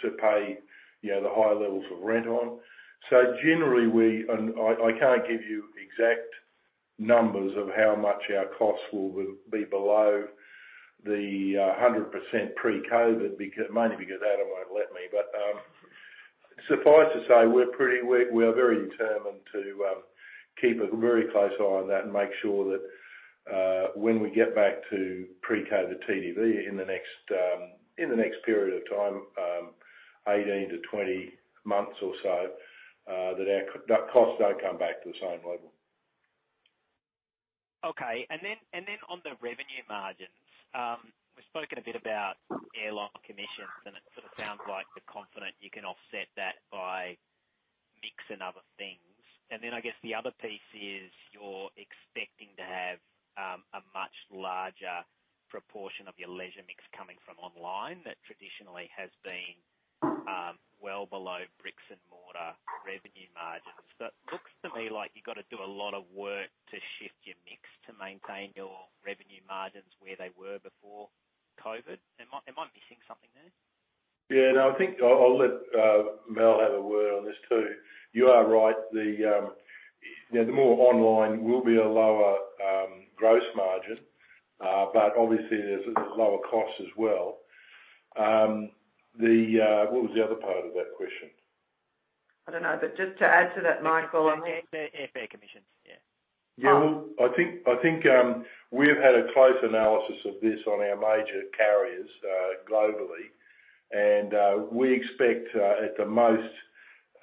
[SPEAKER 2] to pay the higher levels of rent on. I can't give you exact numbers of how much our costs will be below the 100% pre-COVID mainly because Adam won't let me. Suffice to say we're very determined to keep a very close eye on that and make sure that when we get back to pre-COVID TTV in the next period of time, 18-20 months or so, that our costs don't come back to the same level.
[SPEAKER 7] Okay. Then on the revenue margins, we've spoken a bit about airline commissions, and it sort of sounds like the confidence you can offset that by mix and other things. I guess the other piece is you're expecting to have a much larger proportion of your Leisure mix coming from online that traditionally has been well below bricks and mortar revenue margins. Looks to me like you've got to do a lot of work to shift your mix to maintain your revenue margins where they were before COVID. Am I missing something there?
[SPEAKER 2] Yeah. No, I think I'll let Mel have a word on this too. You are right. You know, the more online will be a lower gross margin, but obviously, there's lower costs as well. What was the other part of that question?
[SPEAKER 5] I don't know. Just to add to that, Michael.
[SPEAKER 7] Airfare commissions. Yeah.
[SPEAKER 5] Oh.
[SPEAKER 2] Yeah. I think we've had a close analysis of this on our major carriers globally. We expect, at the most,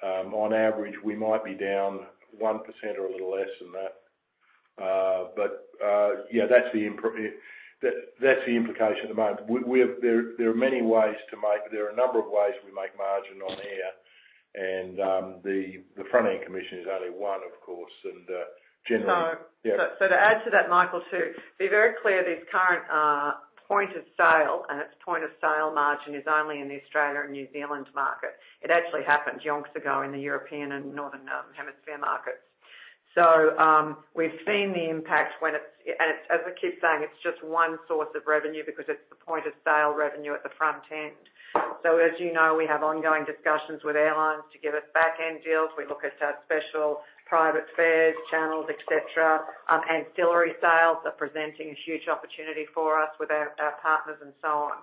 [SPEAKER 2] on average, we might be down 1% or a little less than that. Yeah, that's the implication at the moment. There are a number of ways we make margin on air. The front-end commission is only one, of course, and generally.
[SPEAKER 5] So-
[SPEAKER 2] Yeah....
[SPEAKER 5] to add to that, Michael, to be very clear, this current point of sale and its point of sale margin is only in the Australia and New Zealand market. It actually happened yonks ago in the European and Northern Hemisphere markets. We've seen the impact. As I keep saying, it's just one source of revenue because it's the point of sale revenue at the front end. As you know, we have ongoing discussions with airlines to give us back-end deals. We look at our special private fares, channels, et cetera. Ancillary sales are presenting a huge opportunity for us with our partners and so on.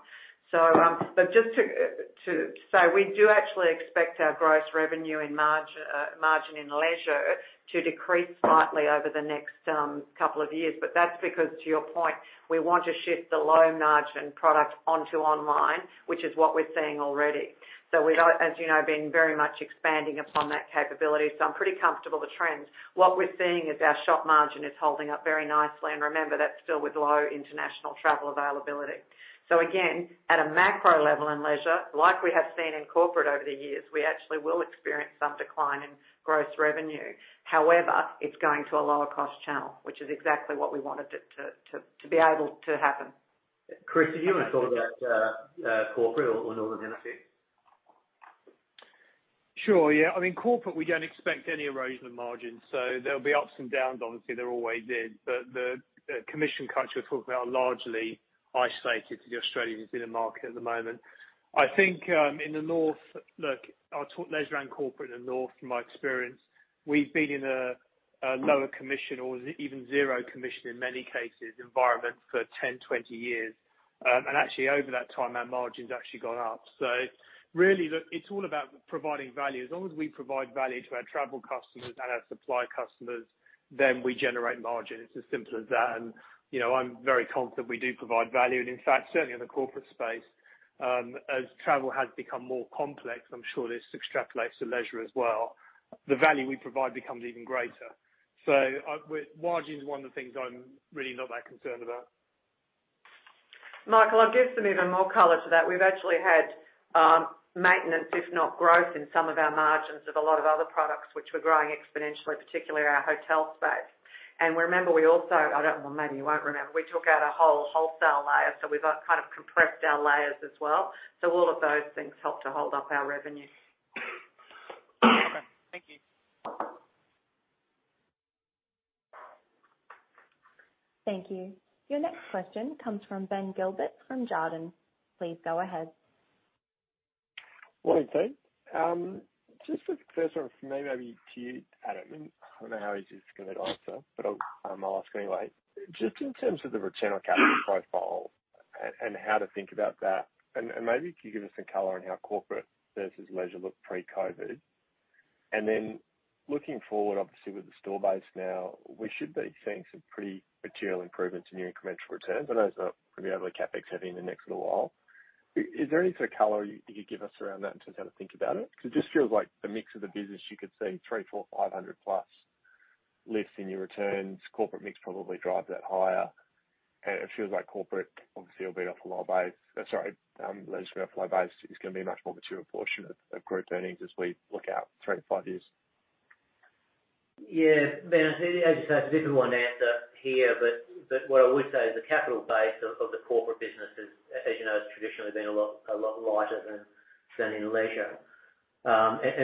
[SPEAKER 5] But just to say, we do actually expect our gross revenue and margin in Leisure to decrease slightly over the next couple of years. That's because, to your point, we want to shift the low-margin product onto online, which is what we're seeing already. We are, as you know, been very much expanding upon that capability. I'm pretty comfortable with trends. What we're seeing is our shop margin is holding up very nicely. Remember, that's still with low international travel availability. Again, at a macro level in Leisure, like we have seen in corporate over the years, we actually will experience some decline in gross revenue. However, it's going to a lower-cost channel, which is exactly what we wanted it to be able to happen.
[SPEAKER 3] Chris, do you want to talk about Corporate or Northern Hemisphere?
[SPEAKER 4] Sure, yeah. I mean, Corporate, we don't expect any erosion of margins. There'll be ups and downs, obviously. There always is. The commission cuts we're talking about are largely isolated to the Australian business market at the moment. I think in the North. Look, I'll talk Leisure and Corporate in the North from my experience. We've been in a lower commission or even zero commission in many cases environment for 10, 20 years. Actually over that time, our margins actually gone up. Really, look, it's all about providing value. As long as we provide value to our travel customers and our supply customers, then we generate margin. It's as simple as that. You know, I'm very confident we do provide value. In fact, certainly in the Corporate space, as travel has become more complex, I'm sure this extrapolates to Leisure as well, the value we provide becomes even greater. Margin is one of the things I'm really not that concerned about.
[SPEAKER 5] Michael, I'll give some even more color to that. We've actually had maintenance, if not growth, in some of our margins of a lot of other products which were growing exponentially, particularly our hotel space. Remember. Well, maybe you won't remember. We took out a whole wholesale layer. We've kind of compressed our layers as well. All of those things help to hold up our revenue.
[SPEAKER 7] Okay. Thank you.
[SPEAKER 6] Thank you. Your next question comes from Ben Gilbert from Jarden. Please go ahead.
[SPEAKER 8] Morning, team. Just as a first one for maybe to you, Adam. I don't know how easy this is going to answer, but I'll ask anyway. Just in terms of the return on capital profile and how to think about that, and maybe if you give us some color on how Corporate versus Leisure looked pre-COVID. Then looking forward, obviously with the store base now, we should be seeing some pretty material improvements in your incremental returns. I know there's probably a lot of CapEx heavy in the next little while. Is there any sort of color you could give us around that in terms of how to think about it? Because it just feels like the mix of the business, you could see 300, 400, 500+ lifts in your returns. Corporate mix probably drive that higher. It feels like Corporate obviously will be off a low base. Sorry, Leisure and online base is gonna be a much more mature portion of Group earnings as we look out three-five years.
[SPEAKER 3] Yeah. Ben, as you say, it's a difficult one to answer here, but what I would say is the capital base of the Corporate business is, as you know, has traditionally been a lot lighter than in Leisure.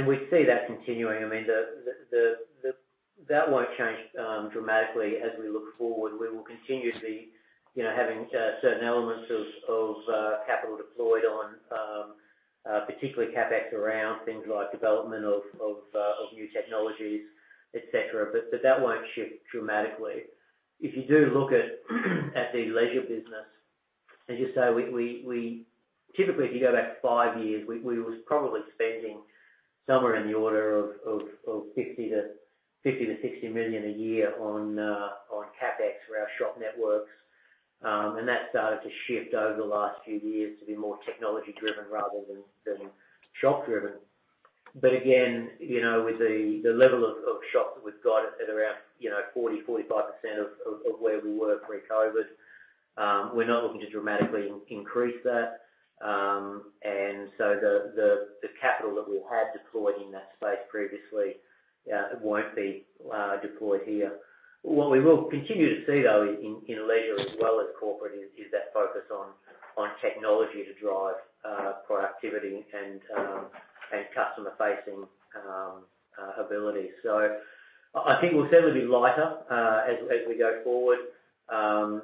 [SPEAKER 3] We see that continuing. I mean, that won't change dramatically as we look forward. We will continue to be, you know, having certain elements of capital deployed on, particularly CapEx around things like development of new technologies, et cetera. That won't shift dramatically. Typically, if you go back five years, we was probably spending somewhere in the order of 50 million-60 million a year on CapEx for our shop networks. That started to shift over the last few years to be more technology-driven rather than shop-driven. Again, you know, with the level of shops that we've got at around, you know, 40%-45% of where we were pre-COVID, we're not looking to dramatically increase that. The capital that we had deployed in that space previously won't be deployed here. What we will continue to see, though, in Leisure as well as Corporate, is that focus on technology to drive productivity and customer-facing ability. I think we'll certainly be lighter as we go forward.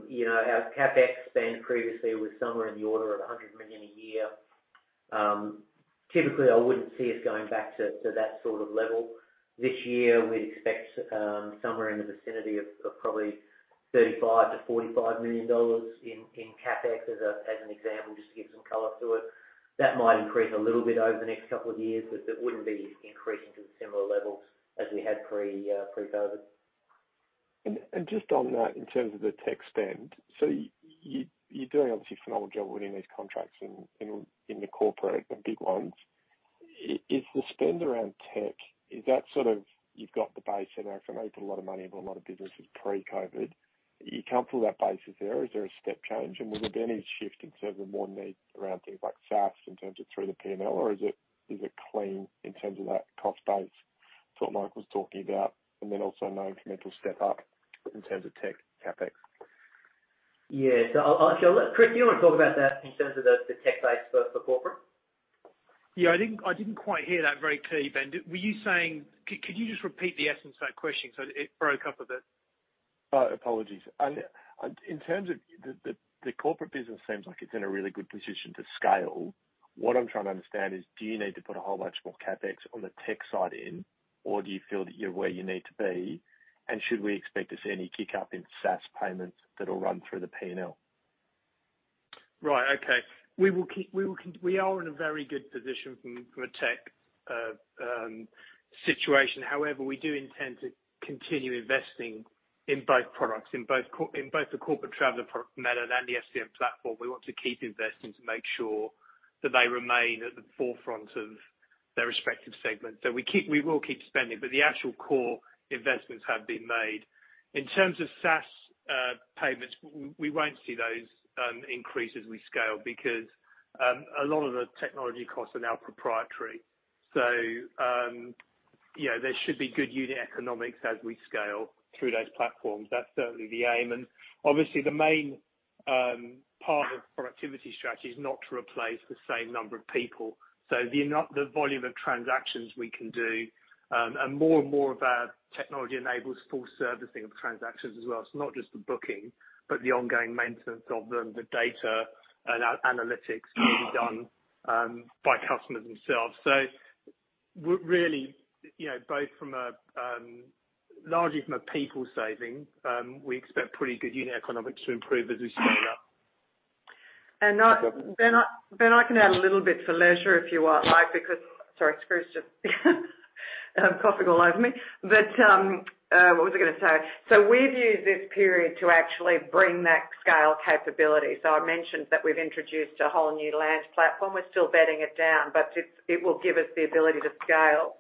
[SPEAKER 3] You know, our CapEx spend previously was somewhere in the order of 100 million a year. Typically, I wouldn't see us going back to that sort of level. This year, we'd expect somewhere in the vicinity of probably 35 million-45 million dollars in CapEx as an example, just to give some color to it. That might increase a little bit over the next couple of years, but it wouldn't be increasing to the similar levels as we had pre-COVID.
[SPEAKER 8] Just on that, in terms of the tech spend. You're doing obviously a phenomenal job winning these contracts in the Corporate, the big ones. Is the spend around tech, is that sort of you've got the base and actually put a lot of money into a lot of businesses pre-COVID. You can't pull that back, the base is there. Is there a step change? Would there be any shift in terms of more need around things like SaaS in terms of through the P&L? Or is it clean in terms of that cost base? It's what Mel was talking about, and then also no incremental step up in terms of tech CapEx.
[SPEAKER 3] Yeah. Chris, do you want to talk about that in terms of the tech base for Corporate?
[SPEAKER 4] Yeah, I didn't quite hear that very clearly, Ben. Could you just repeat the essence of that question? So it broke up a bit.
[SPEAKER 8] Oh, apologies. In terms of the Corporate business, it seems like it's in a really good position to scale. What I'm trying to understand is, do you need to put a whole bunch more CapEx on the tech side in or do you feel that you're where you need to be? Should we expect to see any pick-up in SaaS payments that'll run through the P&L?
[SPEAKER 4] Right. Okay. We are in a very good position from a tech situation. However, we do intend to continue investing in both products. In both the Corporate Traveller product, Melon, and the FCM platform. We want to keep investing to make sure that they remain at the forefront of their respective segments. We will keep spending, but the actual core investments have been made. In terms of SaaS payments, we won't see those increase as we scale because a lot of the technology costs are now proprietary. You know, there should be good unit economics as we scale through those platforms. That's certainly the aim. Obviously, the main part of productivity strategy is not to replace the same number of people. The volume of transactions we can do, and more and more of our technology enables full servicing of transactions as well. Not just the booking, but the ongoing maintenance of them, the data and analytics can be done by customers themselves. Really, you know, both from a, largely from a people saving, we expect pretty good unit economics to improve as we scale up.
[SPEAKER 5] Ben, I can add a little bit for Leisure, if you like, because. Sorry, Skroo's just coughing all over me. What was I gonna say? We've used this period to actually bring that scale capability. I mentioned that we've introduced a whole new land platform. We're still bedding it down, but it will give us the ability to scale.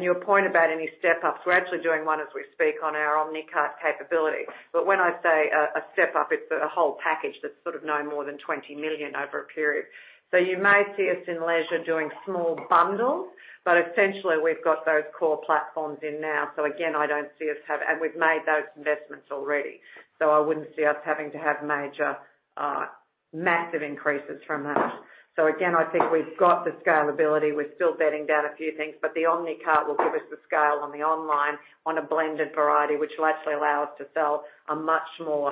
[SPEAKER 5] Your point about a new step-up, we're actually doing one as we speak on our Omnicart capability. When I say a step-up, it's a whole package that's sort of no more than 20 million over a period. You may see us in Leisure doing small bundles, but essentially we've got those core platforms in now. We've made those investments already, so I wouldn't see us having to have major, massive increases from that. I think we've got the scalability. We're still bedding down a few things, but the Omnicart will give us the scale on the online on a blended variety, which will actually allow us to sell a much more,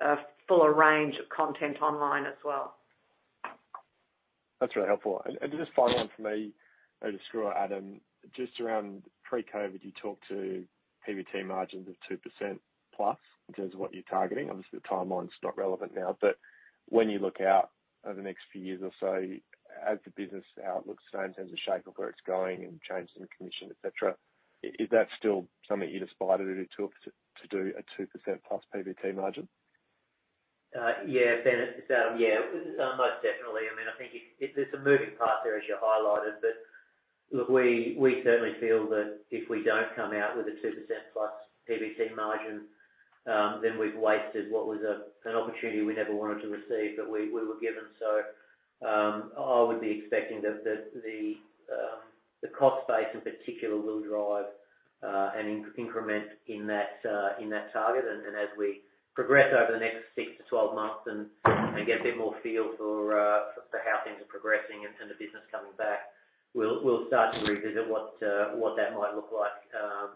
[SPEAKER 5] a fuller range of content online as well.
[SPEAKER 8] That's really helpful. Just final one from me, either Skroo or Adam, just around pre-COVID, you talked to PBT margins of 2%+ in terms of what you're targeting. Obviously, the timeline's not relevant now, but when you look out over the next few years or so, as the business outlooks in terms of shape of where it's going and changes in commission, et cetera, is that still something you'd aspire to do a 2%+ PBT margin?
[SPEAKER 3] Yeah. Ben, it's Adam. Yeah, most definitely. I mean, I think there's a moving part there as you highlighted. Look, we certainly feel that if we don't come out with a 2%+ PBT margin, then we've wasted what was an opportunity we never wanted to receive, but we were given. I would be expecting that the cost base in particular will drive an increment in that target. As we progress over the next six to 12 months and get a bit more feel for how things are progressing and the business coming back, we'll start to revisit what that might look like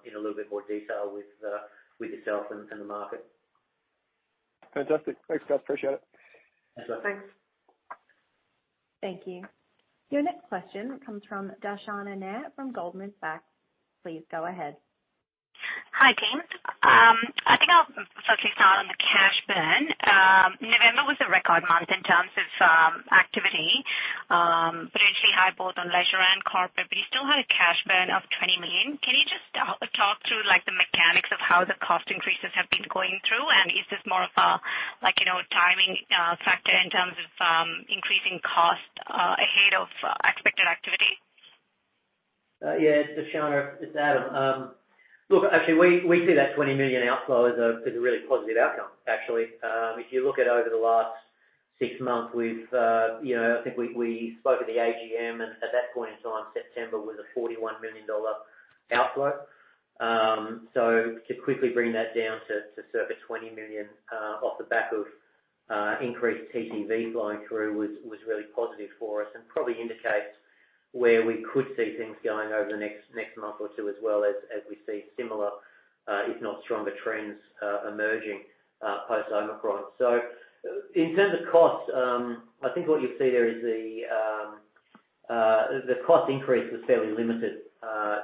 [SPEAKER 3] in a little bit more detail with yourself and the market.
[SPEAKER 8] Fantastic. Thanks, guys. Appreciate it.
[SPEAKER 3] That's all.
[SPEAKER 5] Thanks.
[SPEAKER 6] Thank you. Your next question comes from Darshana Nair from Goldman Sachs. Please go ahead.
[SPEAKER 9] Hi, team. I think I'll certainly start on the cash burn. November was a record month in terms of activity, potentially high both on Leisure and Corporate, but you still had a cash burn of 20 million. How the cost increases have been going through, and is this more of a, like, you know, timing factor in terms of increasing cost ahead of expected activity?
[SPEAKER 3] Yeah, Darshana, it's Adam. Look, actually, we see that 20 million outflow as a really positive outcome actually. If you look at over the last six months, we've you know, I think we spoke at the AGM, and at that point in time, September was a 41 million dollar outflow. To quickly bring that down to circa 20 million off the back of increased TTV flowing through was really positive for us. Probably indicates where we could see things going over the next month or two as well as we see similar, if not stronger trends emerging post-Omicron. In terms of costs, I think what you see there is the cost increase was fairly limited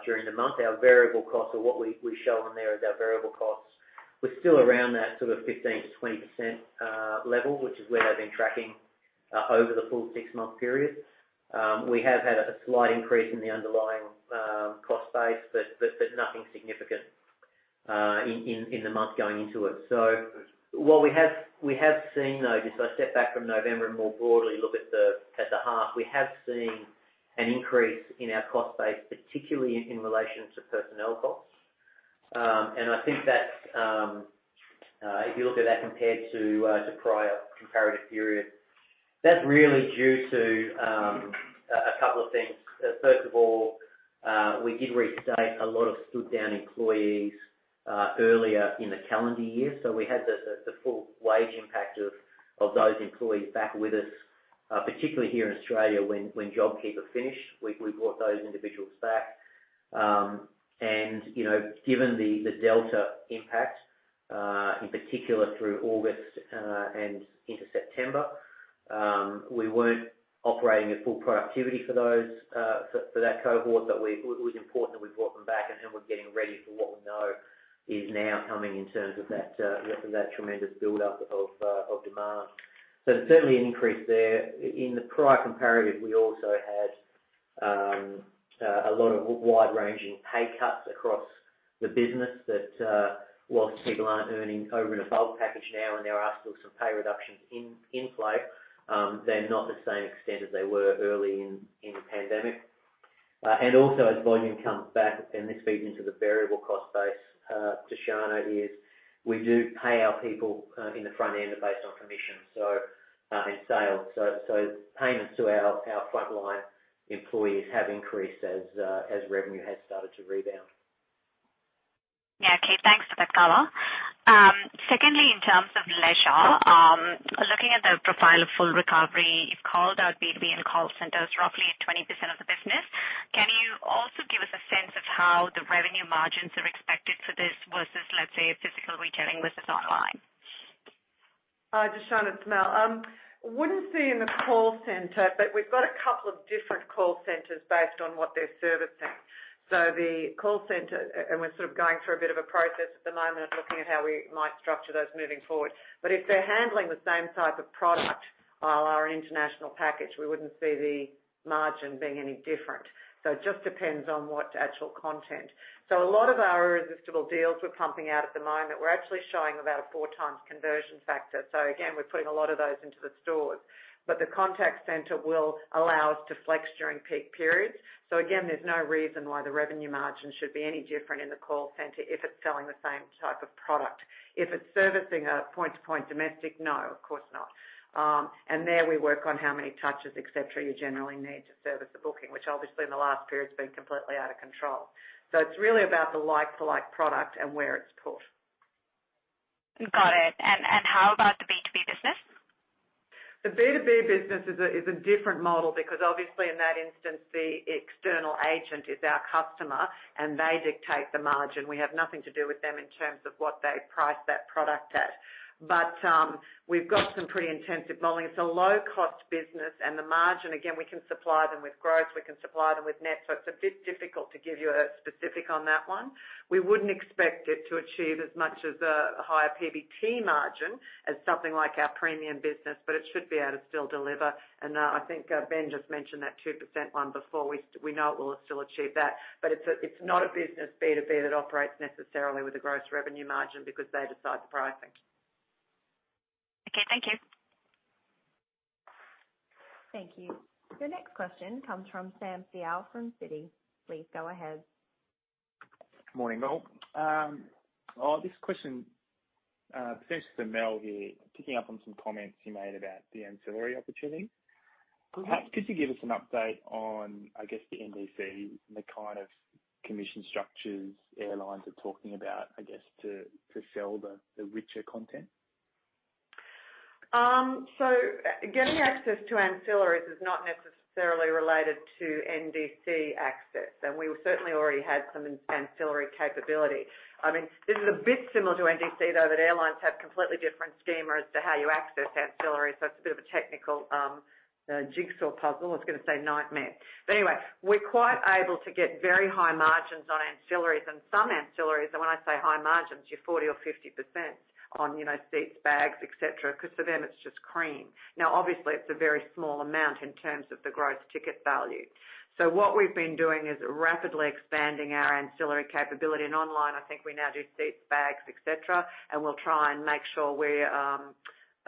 [SPEAKER 3] during the month. Our variable costs or what we show on there as our variable costs, we're still around that sort of 15%-20% level, which is where they've been tracking over the full six-month period. We have had a slight increase in the underlying cost base, but nothing significant in the month going into it. What we have seen though, just I step back from November and more broadly look at the half, we have seen an increase in our cost base, particularly in relation to personnel costs. I think that if you look at that compared to prior comparative periods, that's really due to a couple of things. First of all, we did reinstate a lot of stood-down employees earlier in the calendar year. We had the full wage impact of those employees back with us, particularly here in Australia when JobKeeper finished. We brought those individuals back. You know, given the Delta impact, in particular through August and into September, we weren't operating at full productivity for that cohort. It was important that we brought them back, and then we're getting ready for what we know is now coming in terms of that tremendous buildup of demand. Certainly an increase there. In the prior comparative, we also had a lot of wide-ranging pay cuts across the business that, while people aren't earning over and above package now, and there are still some pay reductions in play, they're not to the same extent as they were early in the pandemic. Also as volume comes back, and this feeds into the variable cost base, Darshana, as we do pay our people in the front end based on commission, so in sales. Payments to our frontline employees have increased as revenue has started to rebound.
[SPEAKER 9] Yeah. Okay. Thanks for that color. Secondly, in terms of Leisure, looking at the profile of full recovery, you've called out B2B and call centers roughly at 20% of the business. Can you also give us a sense of how the revenue margins are expected for this versus, let's say, physical retailing versus online?
[SPEAKER 5] Darshana, it's Mel. We wouldn't see in the call center, but we've got a couple of different call centers based on what they're servicing. The call center and we're sort of going through a bit of a process at the moment of looking at how we might structure those moving forward. If they're handling the same type of product a la our international package, we wouldn't see the margin being any different. It just depends on what actual content. A lot of our irresistible deals we're pumping out at the moment, we're actually showing about a 4x conversion factor. Again, we're putting a lot of those into the stores. The contact center will allow us to flex during peak periods. Again, there's no reason why the revenue margin should be any different in the call center if it's selling the same type of product. If it's servicing a point-to-point domestic, no, of course not. There we work on how many touches, et cetera, you generally need to service the booking, which obviously in the last period's been completely out of control. It's really about the like-for-like product and where it's put.
[SPEAKER 9] Got it. How about the B2B business?
[SPEAKER 5] The B2B business is a different model because obviously in that instance the external agent is our customer, and they dictate the margin. We have nothing to do with them in terms of what they price that product at. We've got some pretty intensive modeling. It's a low-cost business. The margin, again, we can supply them with gross, we can supply them with net. It's a bit difficult to give you a specific on that one. We wouldn't expect it to achieve as much as a higher PBT margin as something like our premium business, but it should be able to still deliver. I think Ben just mentioned that 2% one before. We know it will still achieve that. It's not a business, B2B, that operates necessarily with a gross revenue margin because they decide the pricing.
[SPEAKER 9] Okay. Thank you.
[SPEAKER 6] Thank you. The next question comes from Sam Seow from Citi. Please go ahead.
[SPEAKER 10] Morning, all. This question, potentially for Mel here, picking up on some comments you made about the ancillary opportunity.
[SPEAKER 5] Mm-hmm.
[SPEAKER 10] Perhaps could you give us an update on, I guess, the NDC and the kind of commission structures airlines are talking about, I guess, to sell the richer content?
[SPEAKER 5] Getting access to ancillaries is not necessarily related to NDC access, and we certainly already had some ancillary capability. I mean, this is a bit similar to NDC, though, that airlines have completely different schema as to how you access ancillaries. It's a bit of a technical jigsaw puzzle. I was gonna say nightmare, but anyway, we're quite able to get very high margins on ancillaries. Some ancillaries, and when I say high margins, you're 40% or 50% on, you know, seats, bags, et cetera, 'cause for them it's just cream. Obviously it's a very small amount in terms of the gross ticket value. What we've been doing is rapidly expanding our ancillary capability. Online, I think we now do seats, bags, et cetera. We'll try and make sure we're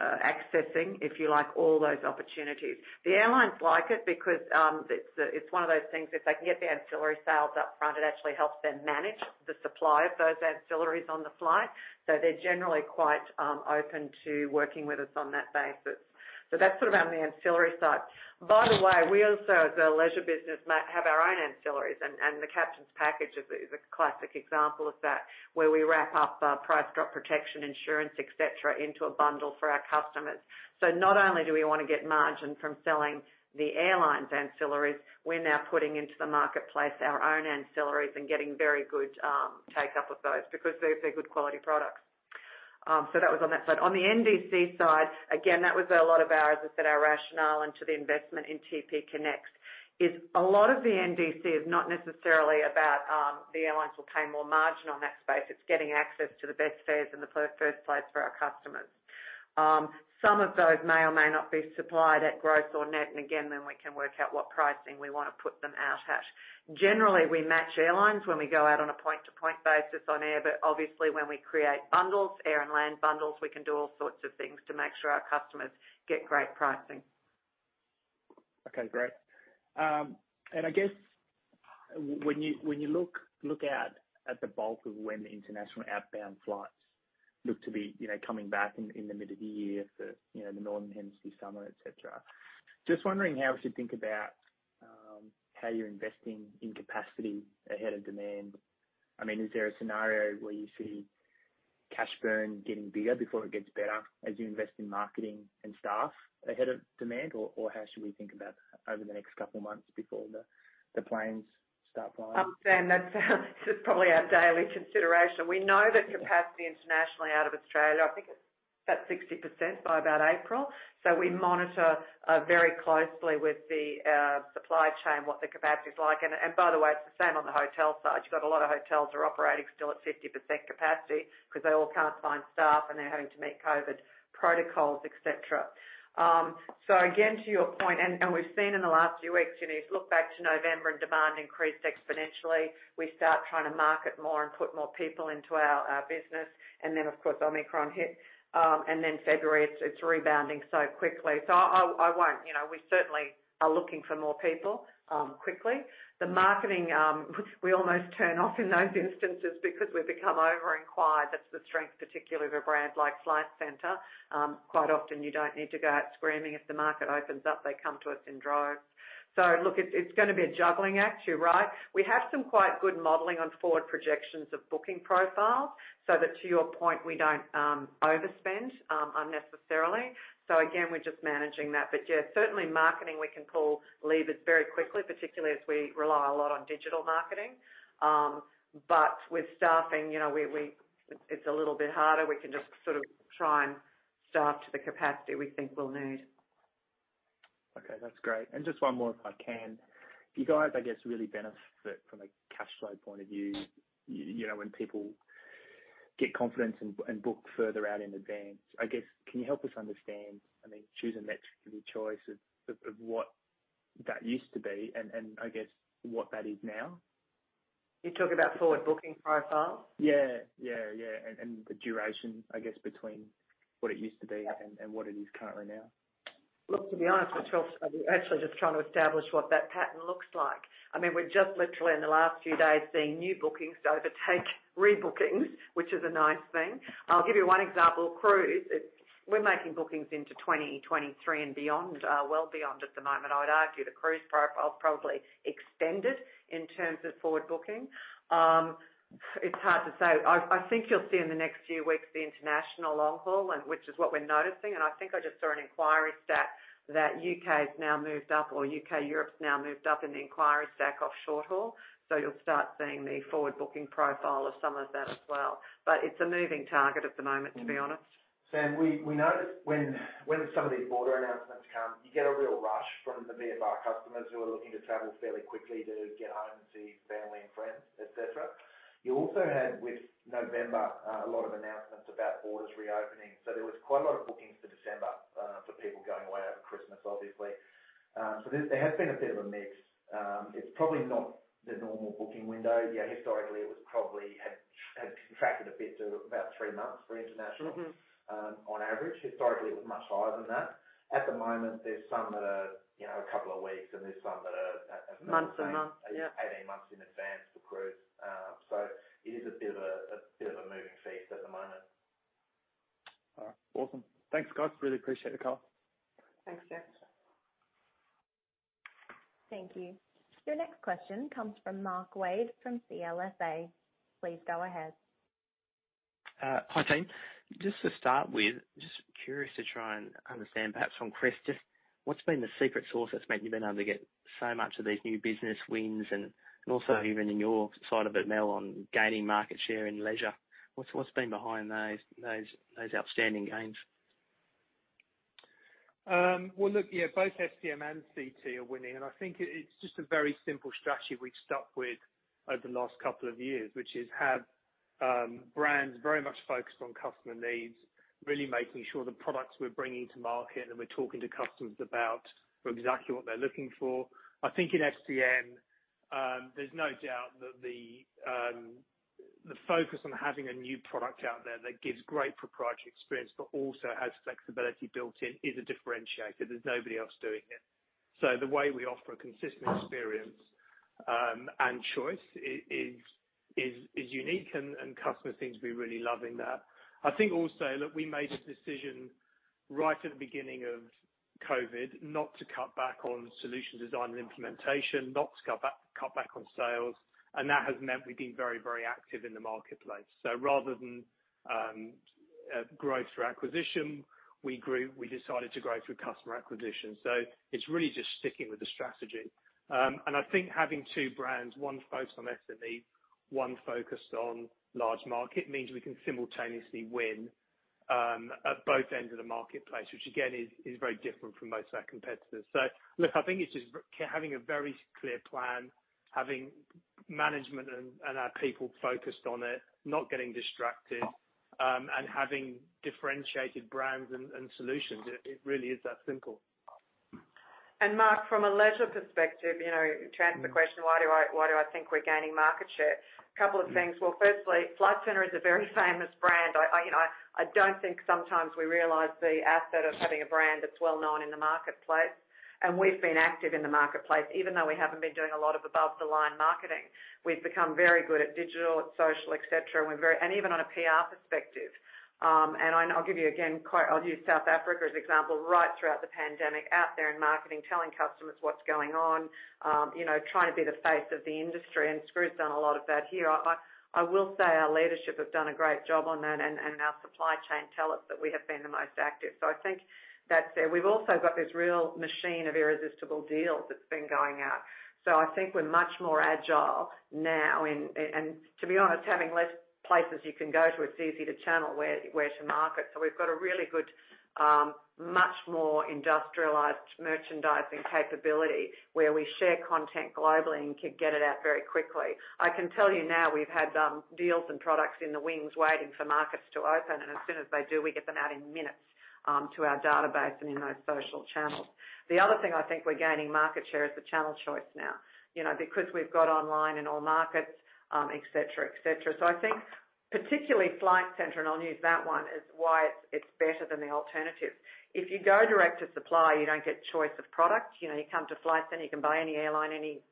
[SPEAKER 5] accessing, if you like, all those opportunities. The airlines like it because it's one of those things, if they can get the ancillary sales up front, it actually helps them manage the supply of those ancillaries on the flight. They're generally quite open to working with us on that basis. That's sort of on the ancillary side. By the way, we also, as a Leisure business, have our own ancillaries. The Captain's Package is a classic example of that, where we wrap up price drop protection insurance, et cetera, into a bundle for our customers. Not only do we wanna get margin from selling the airline's ancillaries, we're now putting into the marketplace our own ancillaries and getting very good take-up of those because they're good quality products. That was on that side. On the NDC side, again, that was a lot of our rationale into the investment in TPConnect, as I said. A lot of the NDC is not necessarily about the airlines will pay more margin on that space. It's getting access to the best fares in the first place for our customers. Some of those may or may not be supplied at gross or net, and again, then we can work out what pricing we wanna put them out at. Generally, we match airlines when we go out on a point-to-point basis on air. Obviously, when we create bundles, air and land bundles, we can do all sorts of things to make sure our customers get great pricing.
[SPEAKER 10] Okay, great. I guess when you look out at the bulk of when the international outbound flights look to be, you know, coming back in the mid of the year for, you know, the Northern Hemisphere summer, et cetera. Just wondering how we should think about how you're investing in capacity ahead of demand. I mean, is there a scenario where you see cash burn getting bigger before it gets better as you invest in marketing and staff ahead of demand? Or how should we think about that over the next couple of months before the planes start flying?
[SPEAKER 5] Sam, that's probably our daily consideration. We know that capacity internationally out of Australia, I think it's about 60% by about April. We monitor very closely with the supply chain what the capacity is like. By the way, it's the same on the hotel side. You got a lot of hotels are operating still at 50% capacity 'cause they all can't find staff, and they're having to meet COVID protocols, et cetera. Again, to your point, and we've seen in the last few weeks, you know, you look back to November and demand increased exponentially. We start trying to market more and put more people into our business. Then, of course, Omicron hit. Then February, it's rebounding so quickly. I won't, you know, we certainly are looking for more people quickly. The marketing, which we almost turn off in those instances because we've become over inquired. That's the strength, particularly of a brand like Flight Centre. Quite often you don't need to go out screaming. If the market opens up, they come to us in droves. Look, it's gonna be a juggling act. You're right. We have some quite good modeling on forward projections of booking profiles, so that to your point, we don't overspend unnecessarily. Again, we're just managing that. Yeah, certainly marketing, we can pull levers very quickly, particularly as we rely a lot on digital marketing. With staffing, it's a little bit harder. We can just sort of try and staff to the capacity we think we'll need.
[SPEAKER 10] Okay, that's great. Just one more, if I can. You guys, I guess, really benefit from a cash flow point of view, you know, when people get confidence and book further out in advance. I guess, can you help us understand, I mean, choose a metric of your choice of what that used to be and I guess what that is now?
[SPEAKER 5] You talk about forward booking profiles?
[SPEAKER 10] Yeah, the duration, I guess, between what it used to be and what it is currently now.
[SPEAKER 5] Look, to be honest with you, we're actually just trying to establish what that pattern looks like. I mean, we've just literally in the last few days seen new bookings overtake rebookings, which is a nice thing. I'll give you one example, cruise. We're making bookings into 2023 and beyond, well beyond at the moment. I'd argue the cruise profile is probably extended in terms of forward booking. It's hard to say. I think you'll see in the next few weeks the international long-haul and which is what we're noticing, and I think I just saw an inquiry stat that U.K. has now moved up or U.K., Europe's now moved up in the inquiry stack above short-haul. You'll start seeing the forward booking profile of some of that as well. It's a moving target at the moment, to be honest.
[SPEAKER 1] Sam, we noticed when some of these border announcements come, you get a real rush from the VFR customers who are looking to travel fairly quickly to get home to see family and friends, et cetera. You also had with November a lot of announcements about borders reopening. There was quite a lot of bookings for December for people going away over Christmas, obviously. There has been a bit of a mix. It's probably not the normal booking window. Historically, it probably had contracted a bit to about three months for international-
[SPEAKER 5] Mm-hmm....
[SPEAKER 1] on average. Historically, it was much higher than that. At the moment, there's some that are, you know, a couple of weeks, and there's some that are.
[SPEAKER 5] Months and months. Yeah.
[SPEAKER 1] 18 months in advance for cruise. It is a bit of a moving feast at the moment.
[SPEAKER 10] All right. Awesome. Thanks, guys. Really appreciate the call.
[SPEAKER 5] Thanks, Sam.
[SPEAKER 6] Thank you. Your next question comes from Mark Wade from CLSA. Please go ahead.
[SPEAKER 11] Hi, team. Just to start with, just curious to try and understand perhaps from Chris, just what's been the secret sauce that's meant you've been able to get so much of these new business wins and also even in your side of it, Mel, on gaining market share and Leisure. What's been behind those outstanding gains?
[SPEAKER 4] Well, look, yeah, both SME and CT are winning, and I think it's just a very simple strategy we've stuck with over the last couple of years, which is brands very much focused on customer needs, really making sure the products we're bringing to market and we're talking to customers about are exactly what they're looking for. I think in SME, there's no doubt that the... The focus on having a new product out there that gives great proprietary experience, but also has flexibility built in, is a differentiator. There's nobody else doing it. The way we offer a consistent experience, and choice is unique and customers seem to be really loving that. I think also that we made a decision right at the beginning of COVID not to cut back on solution design and implementation, not to cut back on sales, and that has meant we've been very, very active in the marketplace. Rather than growth through acquisition, we decided to grow through customer acquisition. It's really just sticking with the strategy. I think having two brands, one focused on SME, one focused on large market, means we can simultaneously win at both ends of the marketplace, which again is very different from most of our competitors. Look, I think it's just having a very clear plan, having management and our people focused on it, not getting distracted, and having differentiated brands and solutions. It really is that simple.
[SPEAKER 5] Mark, from a Leisure perspective, you know, to answer the question, why do I think we're gaining market share? A couple of things. Well, firstly, Flight Centre is a very famous brand. You know, I don't think sometimes we realize the asset of having a brand that's well-known in the marketplace, and we've been active in the marketplace. Even though we haven't been doing a lot of above-the-line marketing, we've become very good at digital, at social, et cetera. Even on a PR perspective, and I'll give you again, I'll use South Africa as an example. Right throughout the pandemic, out there in marketing, telling customers what's going on, you know, trying to be the face of the industry, and Skroo's done a lot of that here. I will say our leadership have done a great job on that, and our supply chain tell us that we have been the most active. I think that's it. We've also got this real machine of irresistible deals that's been going out. I think we're much more agile now, and to be honest, having less places you can go to, it's easy to channel where to market. We've got a really good much more industrialized merchandising capability where we share content globally and can get it out very quickly. I can tell you now we've had deals and products in the wings waiting for markets to open, and as soon as they do, we get them out in minutes to our database and in those social channels. The other thing I think we're gaining market share is the channel choice now. You know, because we've got online in all markets, et cetera, et cetera. I think particularly Flight Centre, and I'll use that one, is why it's better than the alternative. If you go direct to supplier, you don't get choice of product. You know, you come to Flight Centre, you can buy any airline, any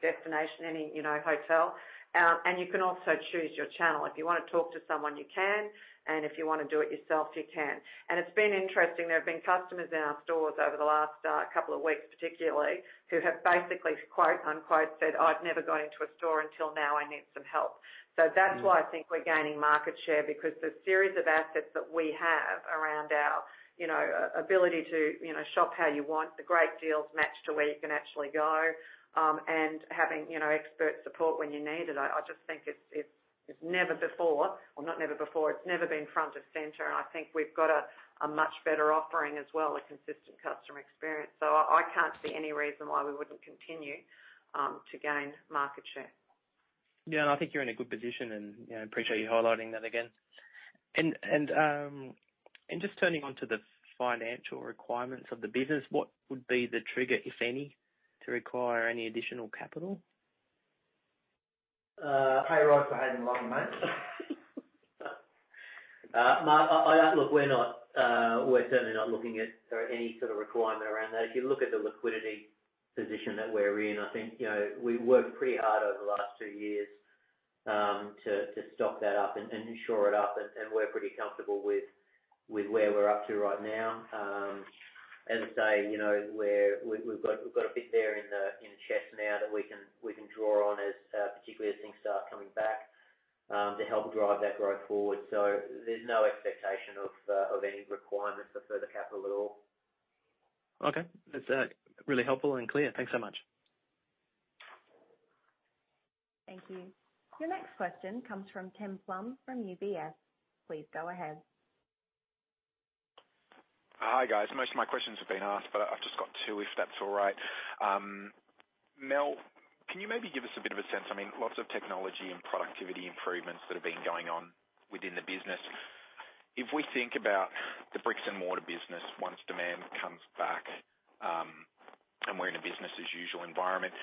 [SPEAKER 5] destination, any, you know, hotel, and you can also choose your channel. If you wanna talk to someone, you can, and if you wanna do it yourself, you can. It's been interesting. There have been customers in our stores over the last couple of weeks, particularly, who have basically, quote-unquote, said, "I've never gone into a store until now. I need some help." That's why I think we're gaining market share, because the series of assets that we have around our, you know, ability to, you know, shop how you want, the great deals matched to where you can actually go, and having, you know, expert support when you need it. I just think it's never been front of center, and I think we've got a much better offering as well as consistent customer experience. I can't see any reason why we wouldn't continue to gain market share.
[SPEAKER 11] Yeah. I think you're in a good position and, you know, appreciate you highlighting that again. Just turning on to the financial requirements of the business, what would be the trigger, if any, to require any additional capital?
[SPEAKER 3] Pay raise for Haydn and Lord Mel. Mark, I... Look, we're not – we're certainly not looking at any sort of requirement around that. If you look at the liquidity position that we're in, I think, you know, we worked pretty hard over the last two years, to stock that up and shore it up, and we're pretty comfortable with where we're up to right now. As I say, you know, we're – we've got a bit there in the chest now that we can draw on as, particularly as things start coming back, to help drive that growth forward. So there's no expectation of any requirements for further capital at all.
[SPEAKER 11] Okay. That's really helpful and clear. Thanks so much.
[SPEAKER 6] Thank you. Your next question comes from Tim Plumbe from UBS. Please go ahead.
[SPEAKER 12] Hi, guys. Most of my questions have been asked, but I've just got two, if that's all right. Mel, can you maybe give us a bit of a sense? I mean, lots of technology and productivity improvements that have been going on within the business. If we think about the bricks and mortar business once demand comes back, and we're in a business as usual environment,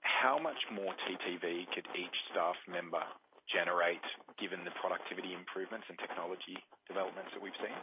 [SPEAKER 12] how much more TTV could each staff member generate given the productivity improvements and technology developments that we've seen?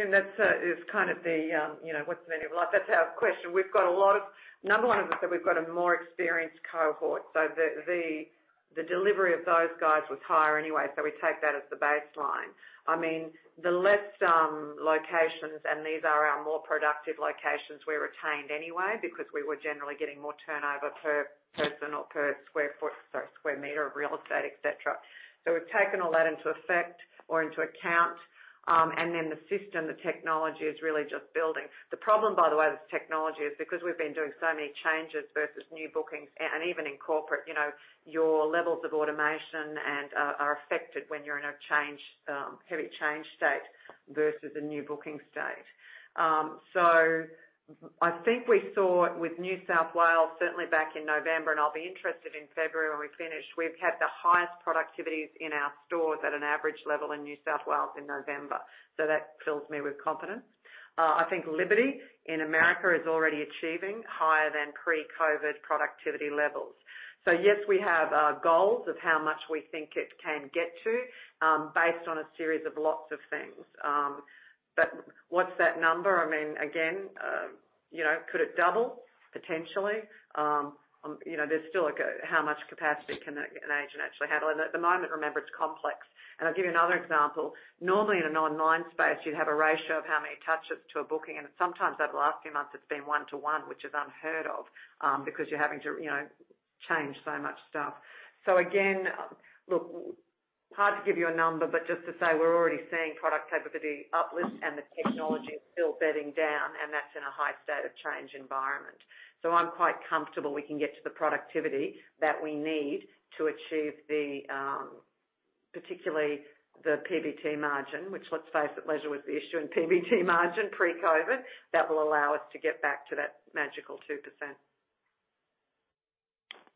[SPEAKER 5] Tim, that is kind of the, you know, what's the meaning of life? That's our question. Number one is that we've got a more experienced cohort. The delivery of those guys was higher anyway, so we take that as the baseline. I mean, the less locations, and these are our more productive locations we retained anyway because we were generally getting more turnover per person or per square foot, sorry, square meter of real estate, et cetera. We've taken all that into effect or into account, and then the system, the technology is really just building. The problem, by the way, with technology is because we've been doing so many changes versus new bookings, and even in Corporate, you know, your levels of automation and are affected when you're in a change, heavy change state versus a new booking state. I think we saw with New South Wales, certainly back in November, and I'll be interested in February when we're finished. We've had the highest productivities in our stores at an average level in New South Wales in November. That fills me with confidence. I think Liberty in America is already achieving higher than pre-COVID productivity levels. Yes, we have goals of how much we think it can get to, based on a series of lots of things. What's that number? I mean, again, you know, could it double? Potentially. You know, there's still, like, how much capacity can an agent actually handle? At the moment, remember, it's complex. I'll give you another example. Normally, in an online space, you'd have a ratio of how many touches to a booking, and sometimes over the last few months it's been 1:1, which is unheard of, because you're having to, you know, change so much stuff. Again, look, hard to give you a number, but just to say we're already seeing product capability uplift and the technology is still bedding down, and that's in a high state of change environment. I'm quite comfortable we can get to the productivity that we need to achieve the, particularly the PBT margin, which, let's face it, Leisure was the issue in PBT margin pre-COVID, that will allow us to get back to that magical 2%.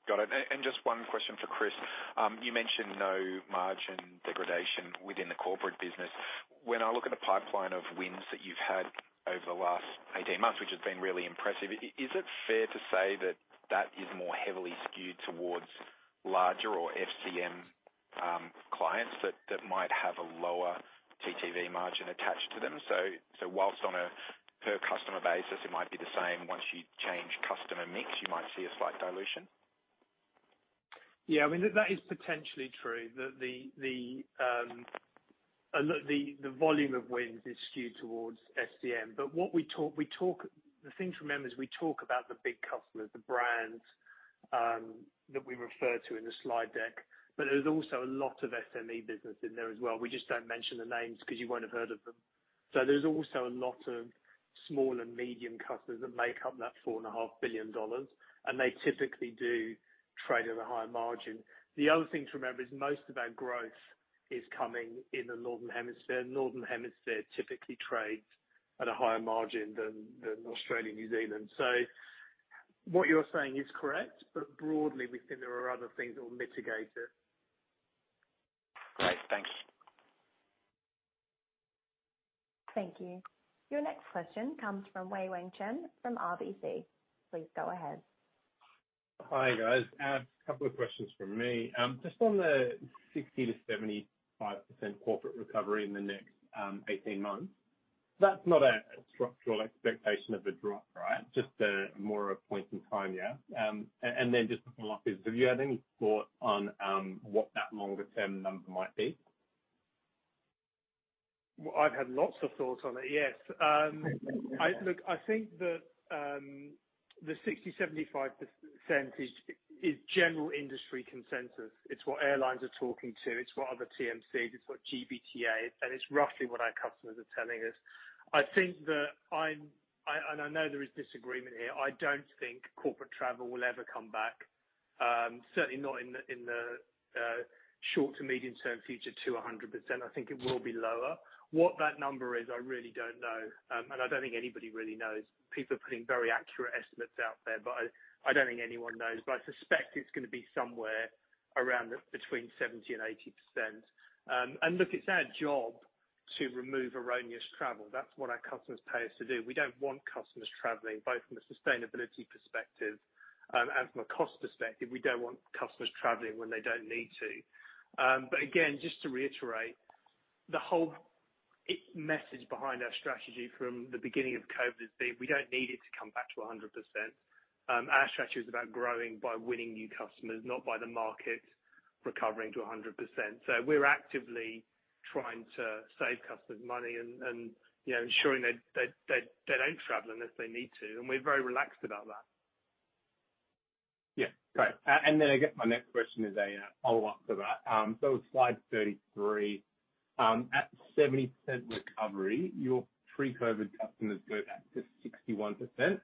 [SPEAKER 12] Got it. Just one question for Chris. You mentioned no margin degradation within the Corporate business. When I look at the pipeline of wins that you've had over the last 18 months, which has been really impressive, is it fair to say that is more heavily skewed towards larger or FCM clients that might have a lower TTV margin attached to them? While on a per customer basis it might be the same, once you change customer mix, you might see a slight dilution?
[SPEAKER 4] Yeah. I mean, that is potentially true. Look, the volume of wins is skewed towards FCM. The thing to remember is we talk about the big customers, the brands, that we refer to in the slide deck, but there's also a lot of SME business in there as well. We just don't mention the names because you won't have heard of them. There's also a lot of small and medium customers that make up that 4.5 billion dollars, and they typically do trade at a higher margin. The other thing to remember is most of our growth is coming in the Northern Hemisphere. Northern Hemisphere typically trades at a higher margin than Australia, New Zealand. What you're saying is correct, but broadly, we think there are other things that will mitigate it.
[SPEAKER 12] Great. Thanks.
[SPEAKER 6] Thank you. Your next question comes from Wei-Weng Chen from RBC. Please go ahead.
[SPEAKER 13] Hi, guys. A couple of questions from me. Just on the 60%-75% corporate recovery in the next 18 months. That's not a structural expectation of a drop, right? Just more of a point in time, yeah. And then just to follow up, have you had any thought on what that longer-term number might be?
[SPEAKER 4] Well, I've had lots of thoughts on it, yes. Look, I think that the 60-75% is general industry consensus. It's what airlines are talking to. It's what other TMCs. It's what GBTA is. It's roughly what our customers are telling us. I think that, and I know there is disagreement here. I don't think Corporate Traveller will ever come back, certainly not in the short- to medium-term future to 100%. I think it will be lower. What that number is, I really don't know. I don't think anybody really knows. People are putting very accurate estimates out there, but I don't think anyone knows. I suspect it's gonna be somewhere around between 70% and 80%. Look, it's our job to remove erroneous travel. That's what our customers pay us to do. We don't want customers traveling, both from a sustainability perspective, and from a cost perspective. We don't want customers traveling when they don't need to. Again, just to reiterate, the whole message behind our strategy from the beginning of COVID has been we don't need it to come back to 100%. Our strategy is about growing by winning new customers, not by the market recovering to 100%. We're actively trying to save customers money and, you know, ensuring that they don't travel unless they need to. We're very relaxed about that.
[SPEAKER 13] Yeah. Great. And then, I guess my next question is a follow-up to that. So slide 33. At 70% recovery, your pre-COVID customers go back to 61%.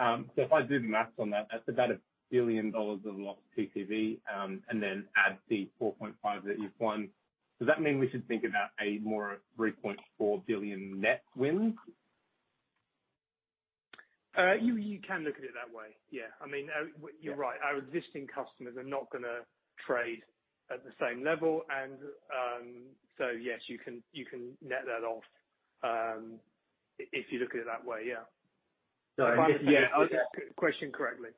[SPEAKER 13] So if I do the math on that's about 1 billion dollars of lost TTV, and then add the 4.5 billion that you've won. Does that mean we should think about a more 3.4 billion net win?
[SPEAKER 4] You can look at it that way. Yeah. I mean, you're right.
[SPEAKER 13] Yeah.
[SPEAKER 4] Our existing customers are not gonna trade at the same level, and so yes, you can net that off if you look at it that way, yeah.
[SPEAKER 13] So.
[SPEAKER 4] I hope I understood the question correctly.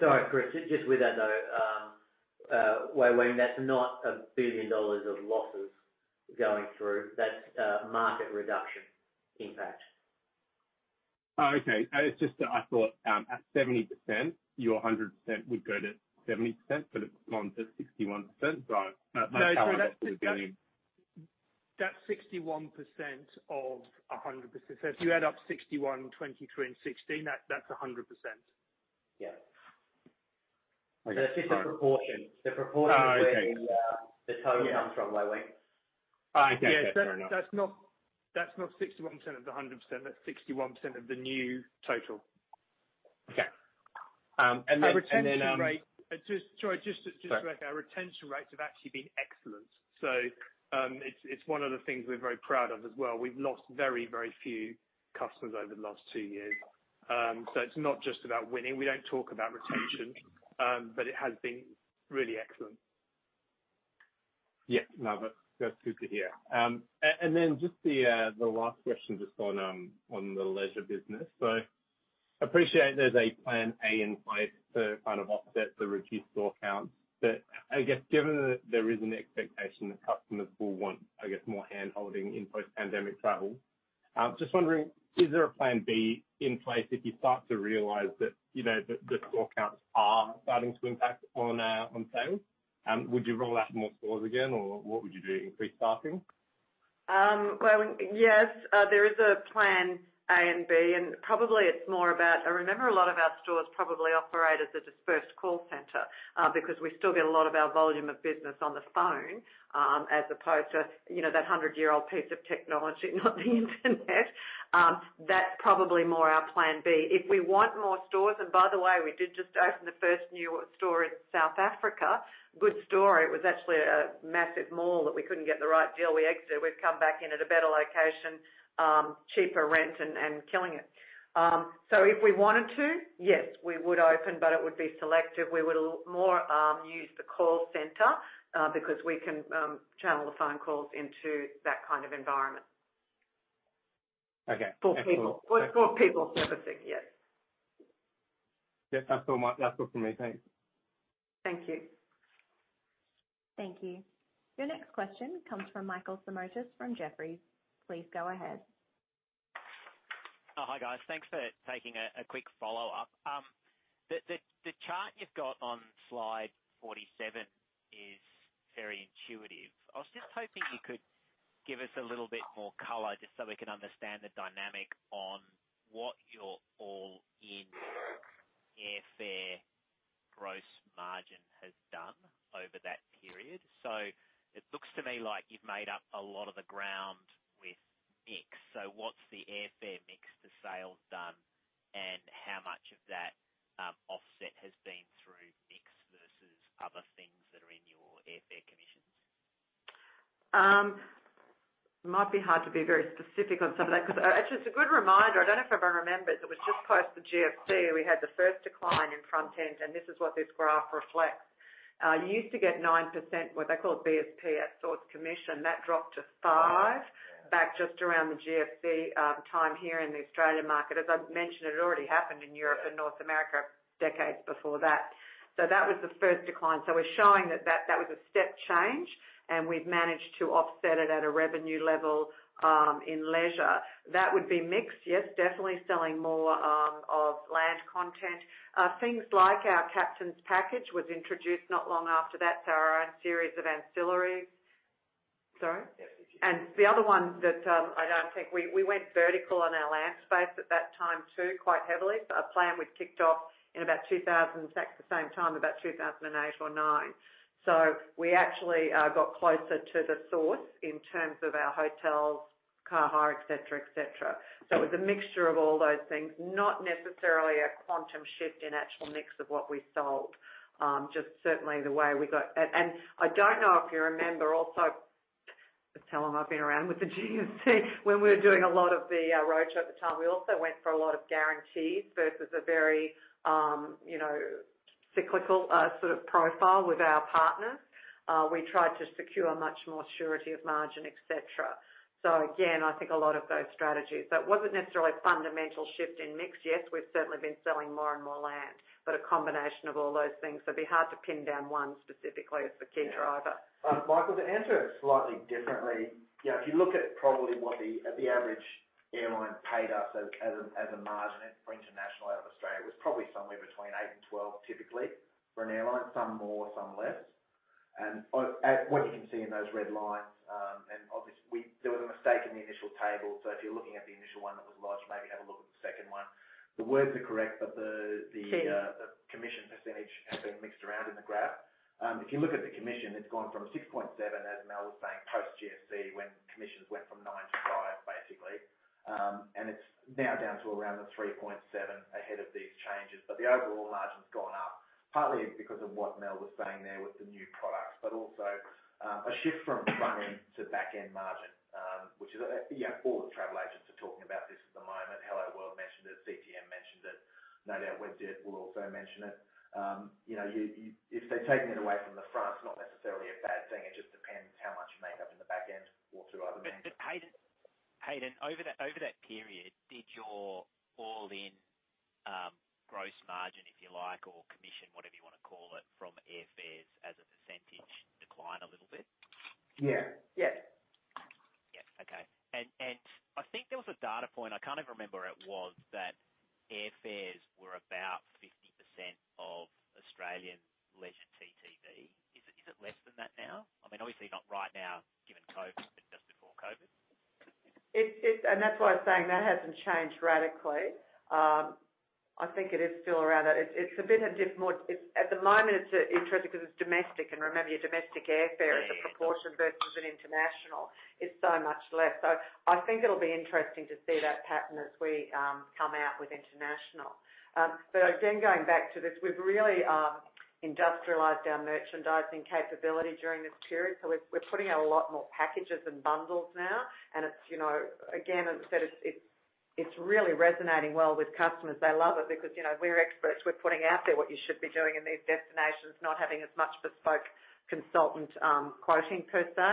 [SPEAKER 3] Sorry, Chris, just with that, though, Wei-Weng Chen, that's not 1 billion dollars of losses going through. That's a market reduction impact.
[SPEAKER 13] Oh, okay. It's just that I thought at 70%, your 100% would go to 70%, but it's gone to 61%. So billion.
[SPEAKER 4] That's 61% of 100%. If you add up 61%, 23% and 16%, that's 100%.
[SPEAKER 3] Yeah.
[SPEAKER 13] Okay. All right.
[SPEAKER 3] It's just the proportion.
[SPEAKER 13] Oh, okay.
[SPEAKER 3] Is where the total comes from, Wei-Weng Chen.
[SPEAKER 13] Oh, okay. Fair enough.
[SPEAKER 4] Yeah. That's not 61% of the 100%. That's 61% of the new total.
[SPEAKER 13] Okay.
[SPEAKER 4] Our retention rate. Sorry, just to...
[SPEAKER 13] Sorry.
[SPEAKER 4] Our retention rates have actually been excellent. It's one of the things we're very proud of as well. We've lost very, very few customers over the last two years. It's not just about winning. We don't talk about retention, but it has been really excellent.
[SPEAKER 13] Yeah. No, that's super to hear. And then just the last question just on the Leisure business. So appreciate there's a plan A in place to kind of offset the reduced store count. I guess given that there is an expectation that customers will want, I guess, more hand-holding in post-pandemic travel, just wondering, is there a plan B in place if you start to realize that, you know, the store counts are starting to impact on sales? Would you roll out more stores again, or what would you do? Increase staffing?
[SPEAKER 5] Well, yes, there is a plan A and B. Remember a lot of our stores probably operate as a dispersed call center, because we still get a lot of our volume of business on the phone, as opposed to, you know, that hundred-year-old piece of technology, not the Internet. That's probably more of our plan B. If we want more stores, and by the way, we did just open the first new store in South Africa. Good store. It was actually a massive mall that we couldn't get the right deal. We exited. We've come back in at a better location, cheaper rent, and killing it. If we wanted to, yes, we would open, but it would be selective. We would more use the call center because we can channel the phone calls into that kind of environment.
[SPEAKER 13] Okay.
[SPEAKER 5] For people servicing, yes.
[SPEAKER 13] That's all from me. Thanks.
[SPEAKER 5] Thank you.
[SPEAKER 6] Thank you. Your next question comes from Michael Simotas from Jefferies. Please go ahead.
[SPEAKER 7] Oh, hi, guys. Thanks for taking a quick follow-up. The chart you've got on slide 47 is very intuitive. I was just hoping you could give us a little bit more color just so we can understand the dynamic on what your all-in airfare gross margin has done over that period. It looks to me like you've made up a lot of the ground with mix. What's the airfare mix to sales done? And how much of that offset has been through mix versus other things that are in your airfare commissions?
[SPEAKER 5] It might be hard to be very specific on some of that. Actually, it's a good reminder. I don't know if everyone remembers. It was just post the GFC. We had the first decline in front end, and this is what this graph reflects. You used to get 9%, what they call BSP, at source commission. That dropped to 5% back just around the GFC time here in the Australian market. As I've mentioned, it had already happened in Europe and North America decades before that. That was the first decline. We're showing that that was a step change, and we've managed to offset it at a revenue level in Leisure. That would be mix. Yes, definitely selling more of land content. Things like our Captain's Package was introduced not long after that. Our own series of ancillaries. Sorry?
[SPEAKER 1] Yeah.
[SPEAKER 5] The other one that I don't think we went vertical on our land space at that time, too, quite heavily. A plan we'd kicked off in about 2008 or 2009. In fact, the same time. We actually got closer to the source in terms of our hotels, car hire, et cetera, et cetera. It was a mixture of all those things, not necessarily a quantum shift in actual mix of what we sold. I don't know if you remember also, just how long I've been around with the GFC when we were doing a lot of the roadshow at the time. We also went for a lot of guarantees versus a very, you know, cyclical sort of profile with our partners. We tried to secure much more surety of margin, et cetera. Again, I think a lot of those strategies. It wasn't necessarily a fundamental shift in mix. Yes, we've certainly been selling more and more land, but a combination of all those things. It'd be hard to pin down one specifically as the key driver.
[SPEAKER 1] Michael, to answer it slightly differently. You know, if you look at probably what the average airline paid us as a margin for international out of Australia, it was probably somewhere between 8%-12% typically for an airline, some more, some less. What you can see in those red lines, there was a mistake in the initial table. If you're looking at the initial one that was lodged, maybe have a look at the second one. The words are correct, but the...
[SPEAKER 5] Yeah.
[SPEAKER 1] The commission percentage has been mixed around in the graph. If you look at the commission, it's gone from 6.7%, as Mel was saying, post-GFC, when commissions went from 9% to 5%, basically. It's now down to around the 3.7% ahead of these changes. The overall margin's gone up, partly because of what Mel was saying there with the new products. Also, a shift from front-end to back-end margin, which is, yeah, all the travel agents are talking about this at the moment. Helloworld mentioned it. CTM mentioned it. No doubt Webjet will also mention it. You know, if they're taking it away from the front, it's not necessarily a bad thing. It just depends how much you make up in the back end or through other means.
[SPEAKER 7] Haydn, over that period, did your all-in gross margin, if you like, or commission, whatever you wanna call it, from airfares as a percentage decline a little bit?
[SPEAKER 1] Yeah.
[SPEAKER 5] Yes.
[SPEAKER 7] Yeah. Okay. I think there was a data point, I can't even remember where it was, that airfares were about 50% of Australian Leisure TTV. Is it less than that now? I mean, obviously not right now, given COVID, but just before COVID.
[SPEAKER 5] That's why I'm saying that hasn't changed radically. I think it is still around that. It's a bit more. At the moment it's interesting 'cause it's domestic. Remember, your domestic airfare as a proportion versus an international is so much less. I think it'll be interesting to see that pattern as we come out with international. Again, going back to this, we've really industrialized our merchandising capability during this period. We're putting out a lot more packages and bundles now. It's, you know, again, as I said, it's really resonating well with customers. They love it because, you know, we're experts. We're putting out there what you should be doing in these destinations, not having as much bespoke consultant quoting per se.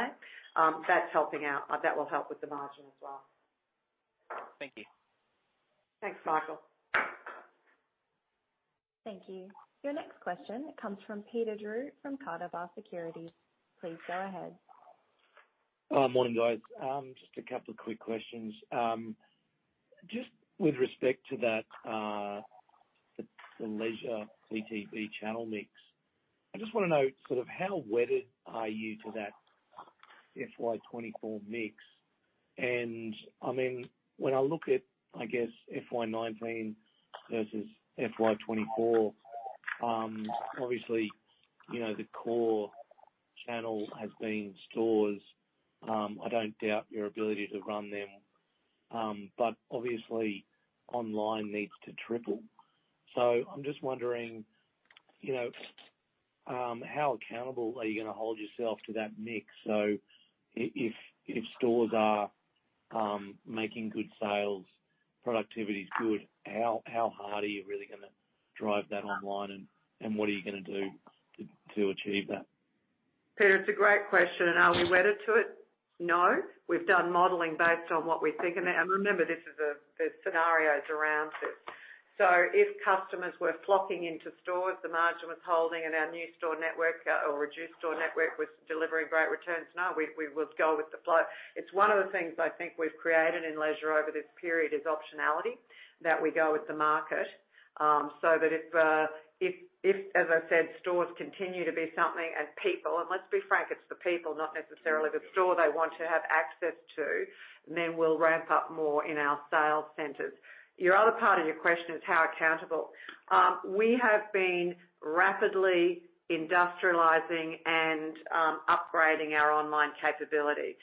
[SPEAKER 5] That's helping out. That will help with the margin as well.
[SPEAKER 7] Thank you.
[SPEAKER 5] Thanks, Michael.
[SPEAKER 6] Thank you. Your next question comes from Peter Drew from Carter Bar Securities. Please go ahead.
[SPEAKER 14] Morning, guys. Just a couple of quick questions. Just with respect to that, the Leisure VTB channel mix. I just wanna know sort of how wedded are you to that FY 2024 mix. I mean, when I look at, I guess, FY 2019 versus FY 2024, obviously, you know, the core channel has been stores. I don't doubt your ability to run them. But obviously online needs to triple. I'm just wondering, you know, how accountable are you gonna hold yourself to that mix? If stores are making good sales, productivity's good, how hard are you really gonna drive that online? And what are you gonna do to achieve that?
[SPEAKER 5] Peter, it's a great question. Are we wedded to it? No. We've done modeling based on what we think. Remember, there are scenarios around this. If customers were flocking into stores, the margin was holding and our new store network or reduced store network was delivering great returns, we would go with the flow. It's one of the things I think we've created in Leisure over this period is optionality, that we go with the market. So that if, as I said, stores continue to be something and people, and let's be frank, it's the people, not necessarily the store they want to have access to, then we'll ramp up more in our sales centers. Your other part of your question is how accountable. We have been rapidly industrializing and upgrading our online capability.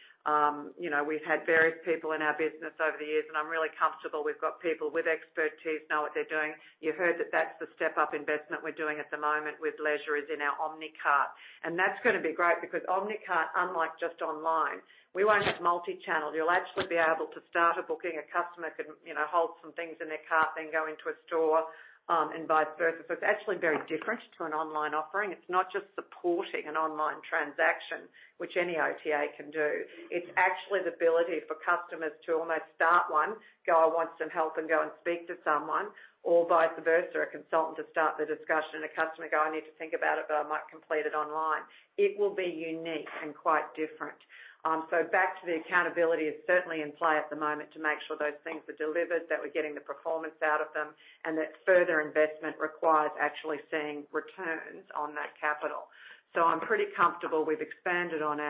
[SPEAKER 5] You know, we've had various people in our business over the years, and I'm really comfortable we've got people with expertise, know what they're doing. You heard that that's the step up investment we're doing at the moment with Leisure is in our Omnicart. That's gonna be great because Omnicart, unlike just online, we will have multi-channel. You'll actually be able to start a booking. A customer can, you know, hold some things in their cart, then go into a store, and vice versa. It's actually very different to an online offering. It's not just supporting an online transaction, which any OTA can do. It's actually the ability for customers to almost start one, go and want some help and go and speak to someone or vice versa. A consultant to start the discussion and a customer go, "I need to think about it, but I might complete it online." It will be unique and quite different. Back to the accountability. It's certainly in play at the moment to make sure those things are delivered, that we're getting the performance out of them, and that further investment requires actually seeing returns on that capital. I'm pretty comfortable we've expanded on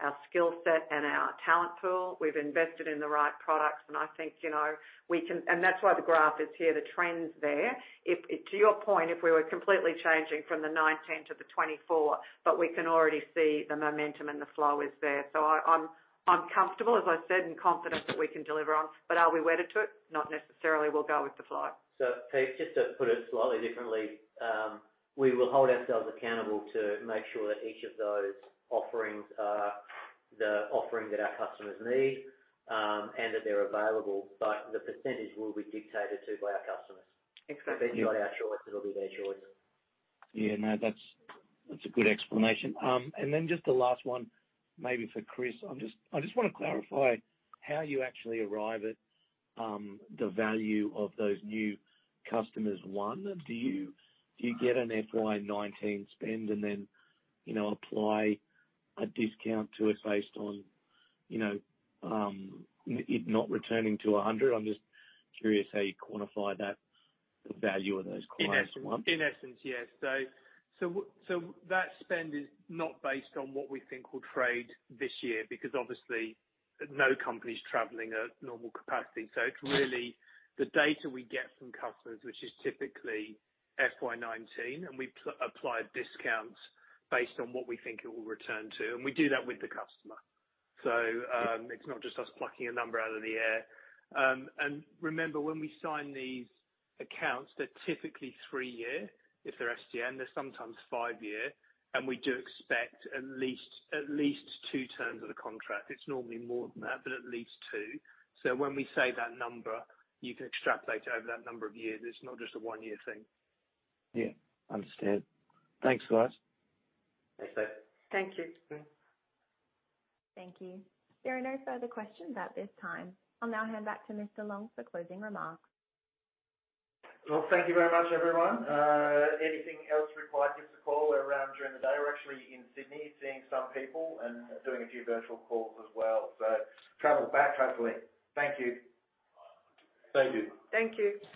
[SPEAKER 5] our skill set and our talent pool. We've invested in the right products. I think, you know, we can. That's why the graph is here, the trends there. To your point, if we were completely changing from 2019 to 2024, but we can already see the momentum and the flow is there. I'm comfortable, as I said, and confident that we can deliver on. Are we wedded to it? Not necessarily. We'll go with the flow.
[SPEAKER 3] Pete, just to put it slightly differently, we will hold ourselves accountable to make sure that each of those offerings are the offerings that our customers need, and that they're available. The percentage will be dictated to by our customers.
[SPEAKER 14] Excellent.
[SPEAKER 3] It's been by our choice, it'll be their choice.
[SPEAKER 14] Yeah, no, that's a good explanation. Just the last one, maybe for Chris. I just wanna clarify how you actually arrive at the value of those new customers. Do you get an FY 2019 spend and then you know apply a discount to it based on you know it not returning to 100%? I'm just curious how you quantify that value of those clients.
[SPEAKER 4] In essence. In essence, yes. That spend is not based on what we think will trade this year because obviously no company is traveling at normal capacity. It's really the data we get from customers, which is typically FY 2019, and we apply discounts based on what we think it will return to. We do that with the customer. It's not just us plucking a number out of the air. Remember when we sign these accounts, they're typically three-year. If they're FCM, they're sometimes five-year. We do expect at least two terms of the contract. It's normally more than that, but at least two. When we say that number, you can extrapolate over that number of years. It's not just a one-year thing.
[SPEAKER 14] Yeah. Understood. Thanks, guys.
[SPEAKER 3] Thanks, Pete.
[SPEAKER 5] Thank you.
[SPEAKER 3] Thanks.
[SPEAKER 6] Thank you. There are no further questions at this time. I'll now hand back to Mr. Long for closing remarks.
[SPEAKER 1] Well, thank you very much, everyone. Anything else required, give us a call. We're around during the day. We're actually in Sydney seeing some people and doing a few virtual calls as well. Travel back safely. Thank you.
[SPEAKER 2] Thank you.
[SPEAKER 5] Thank you.
[SPEAKER 3] Thank you.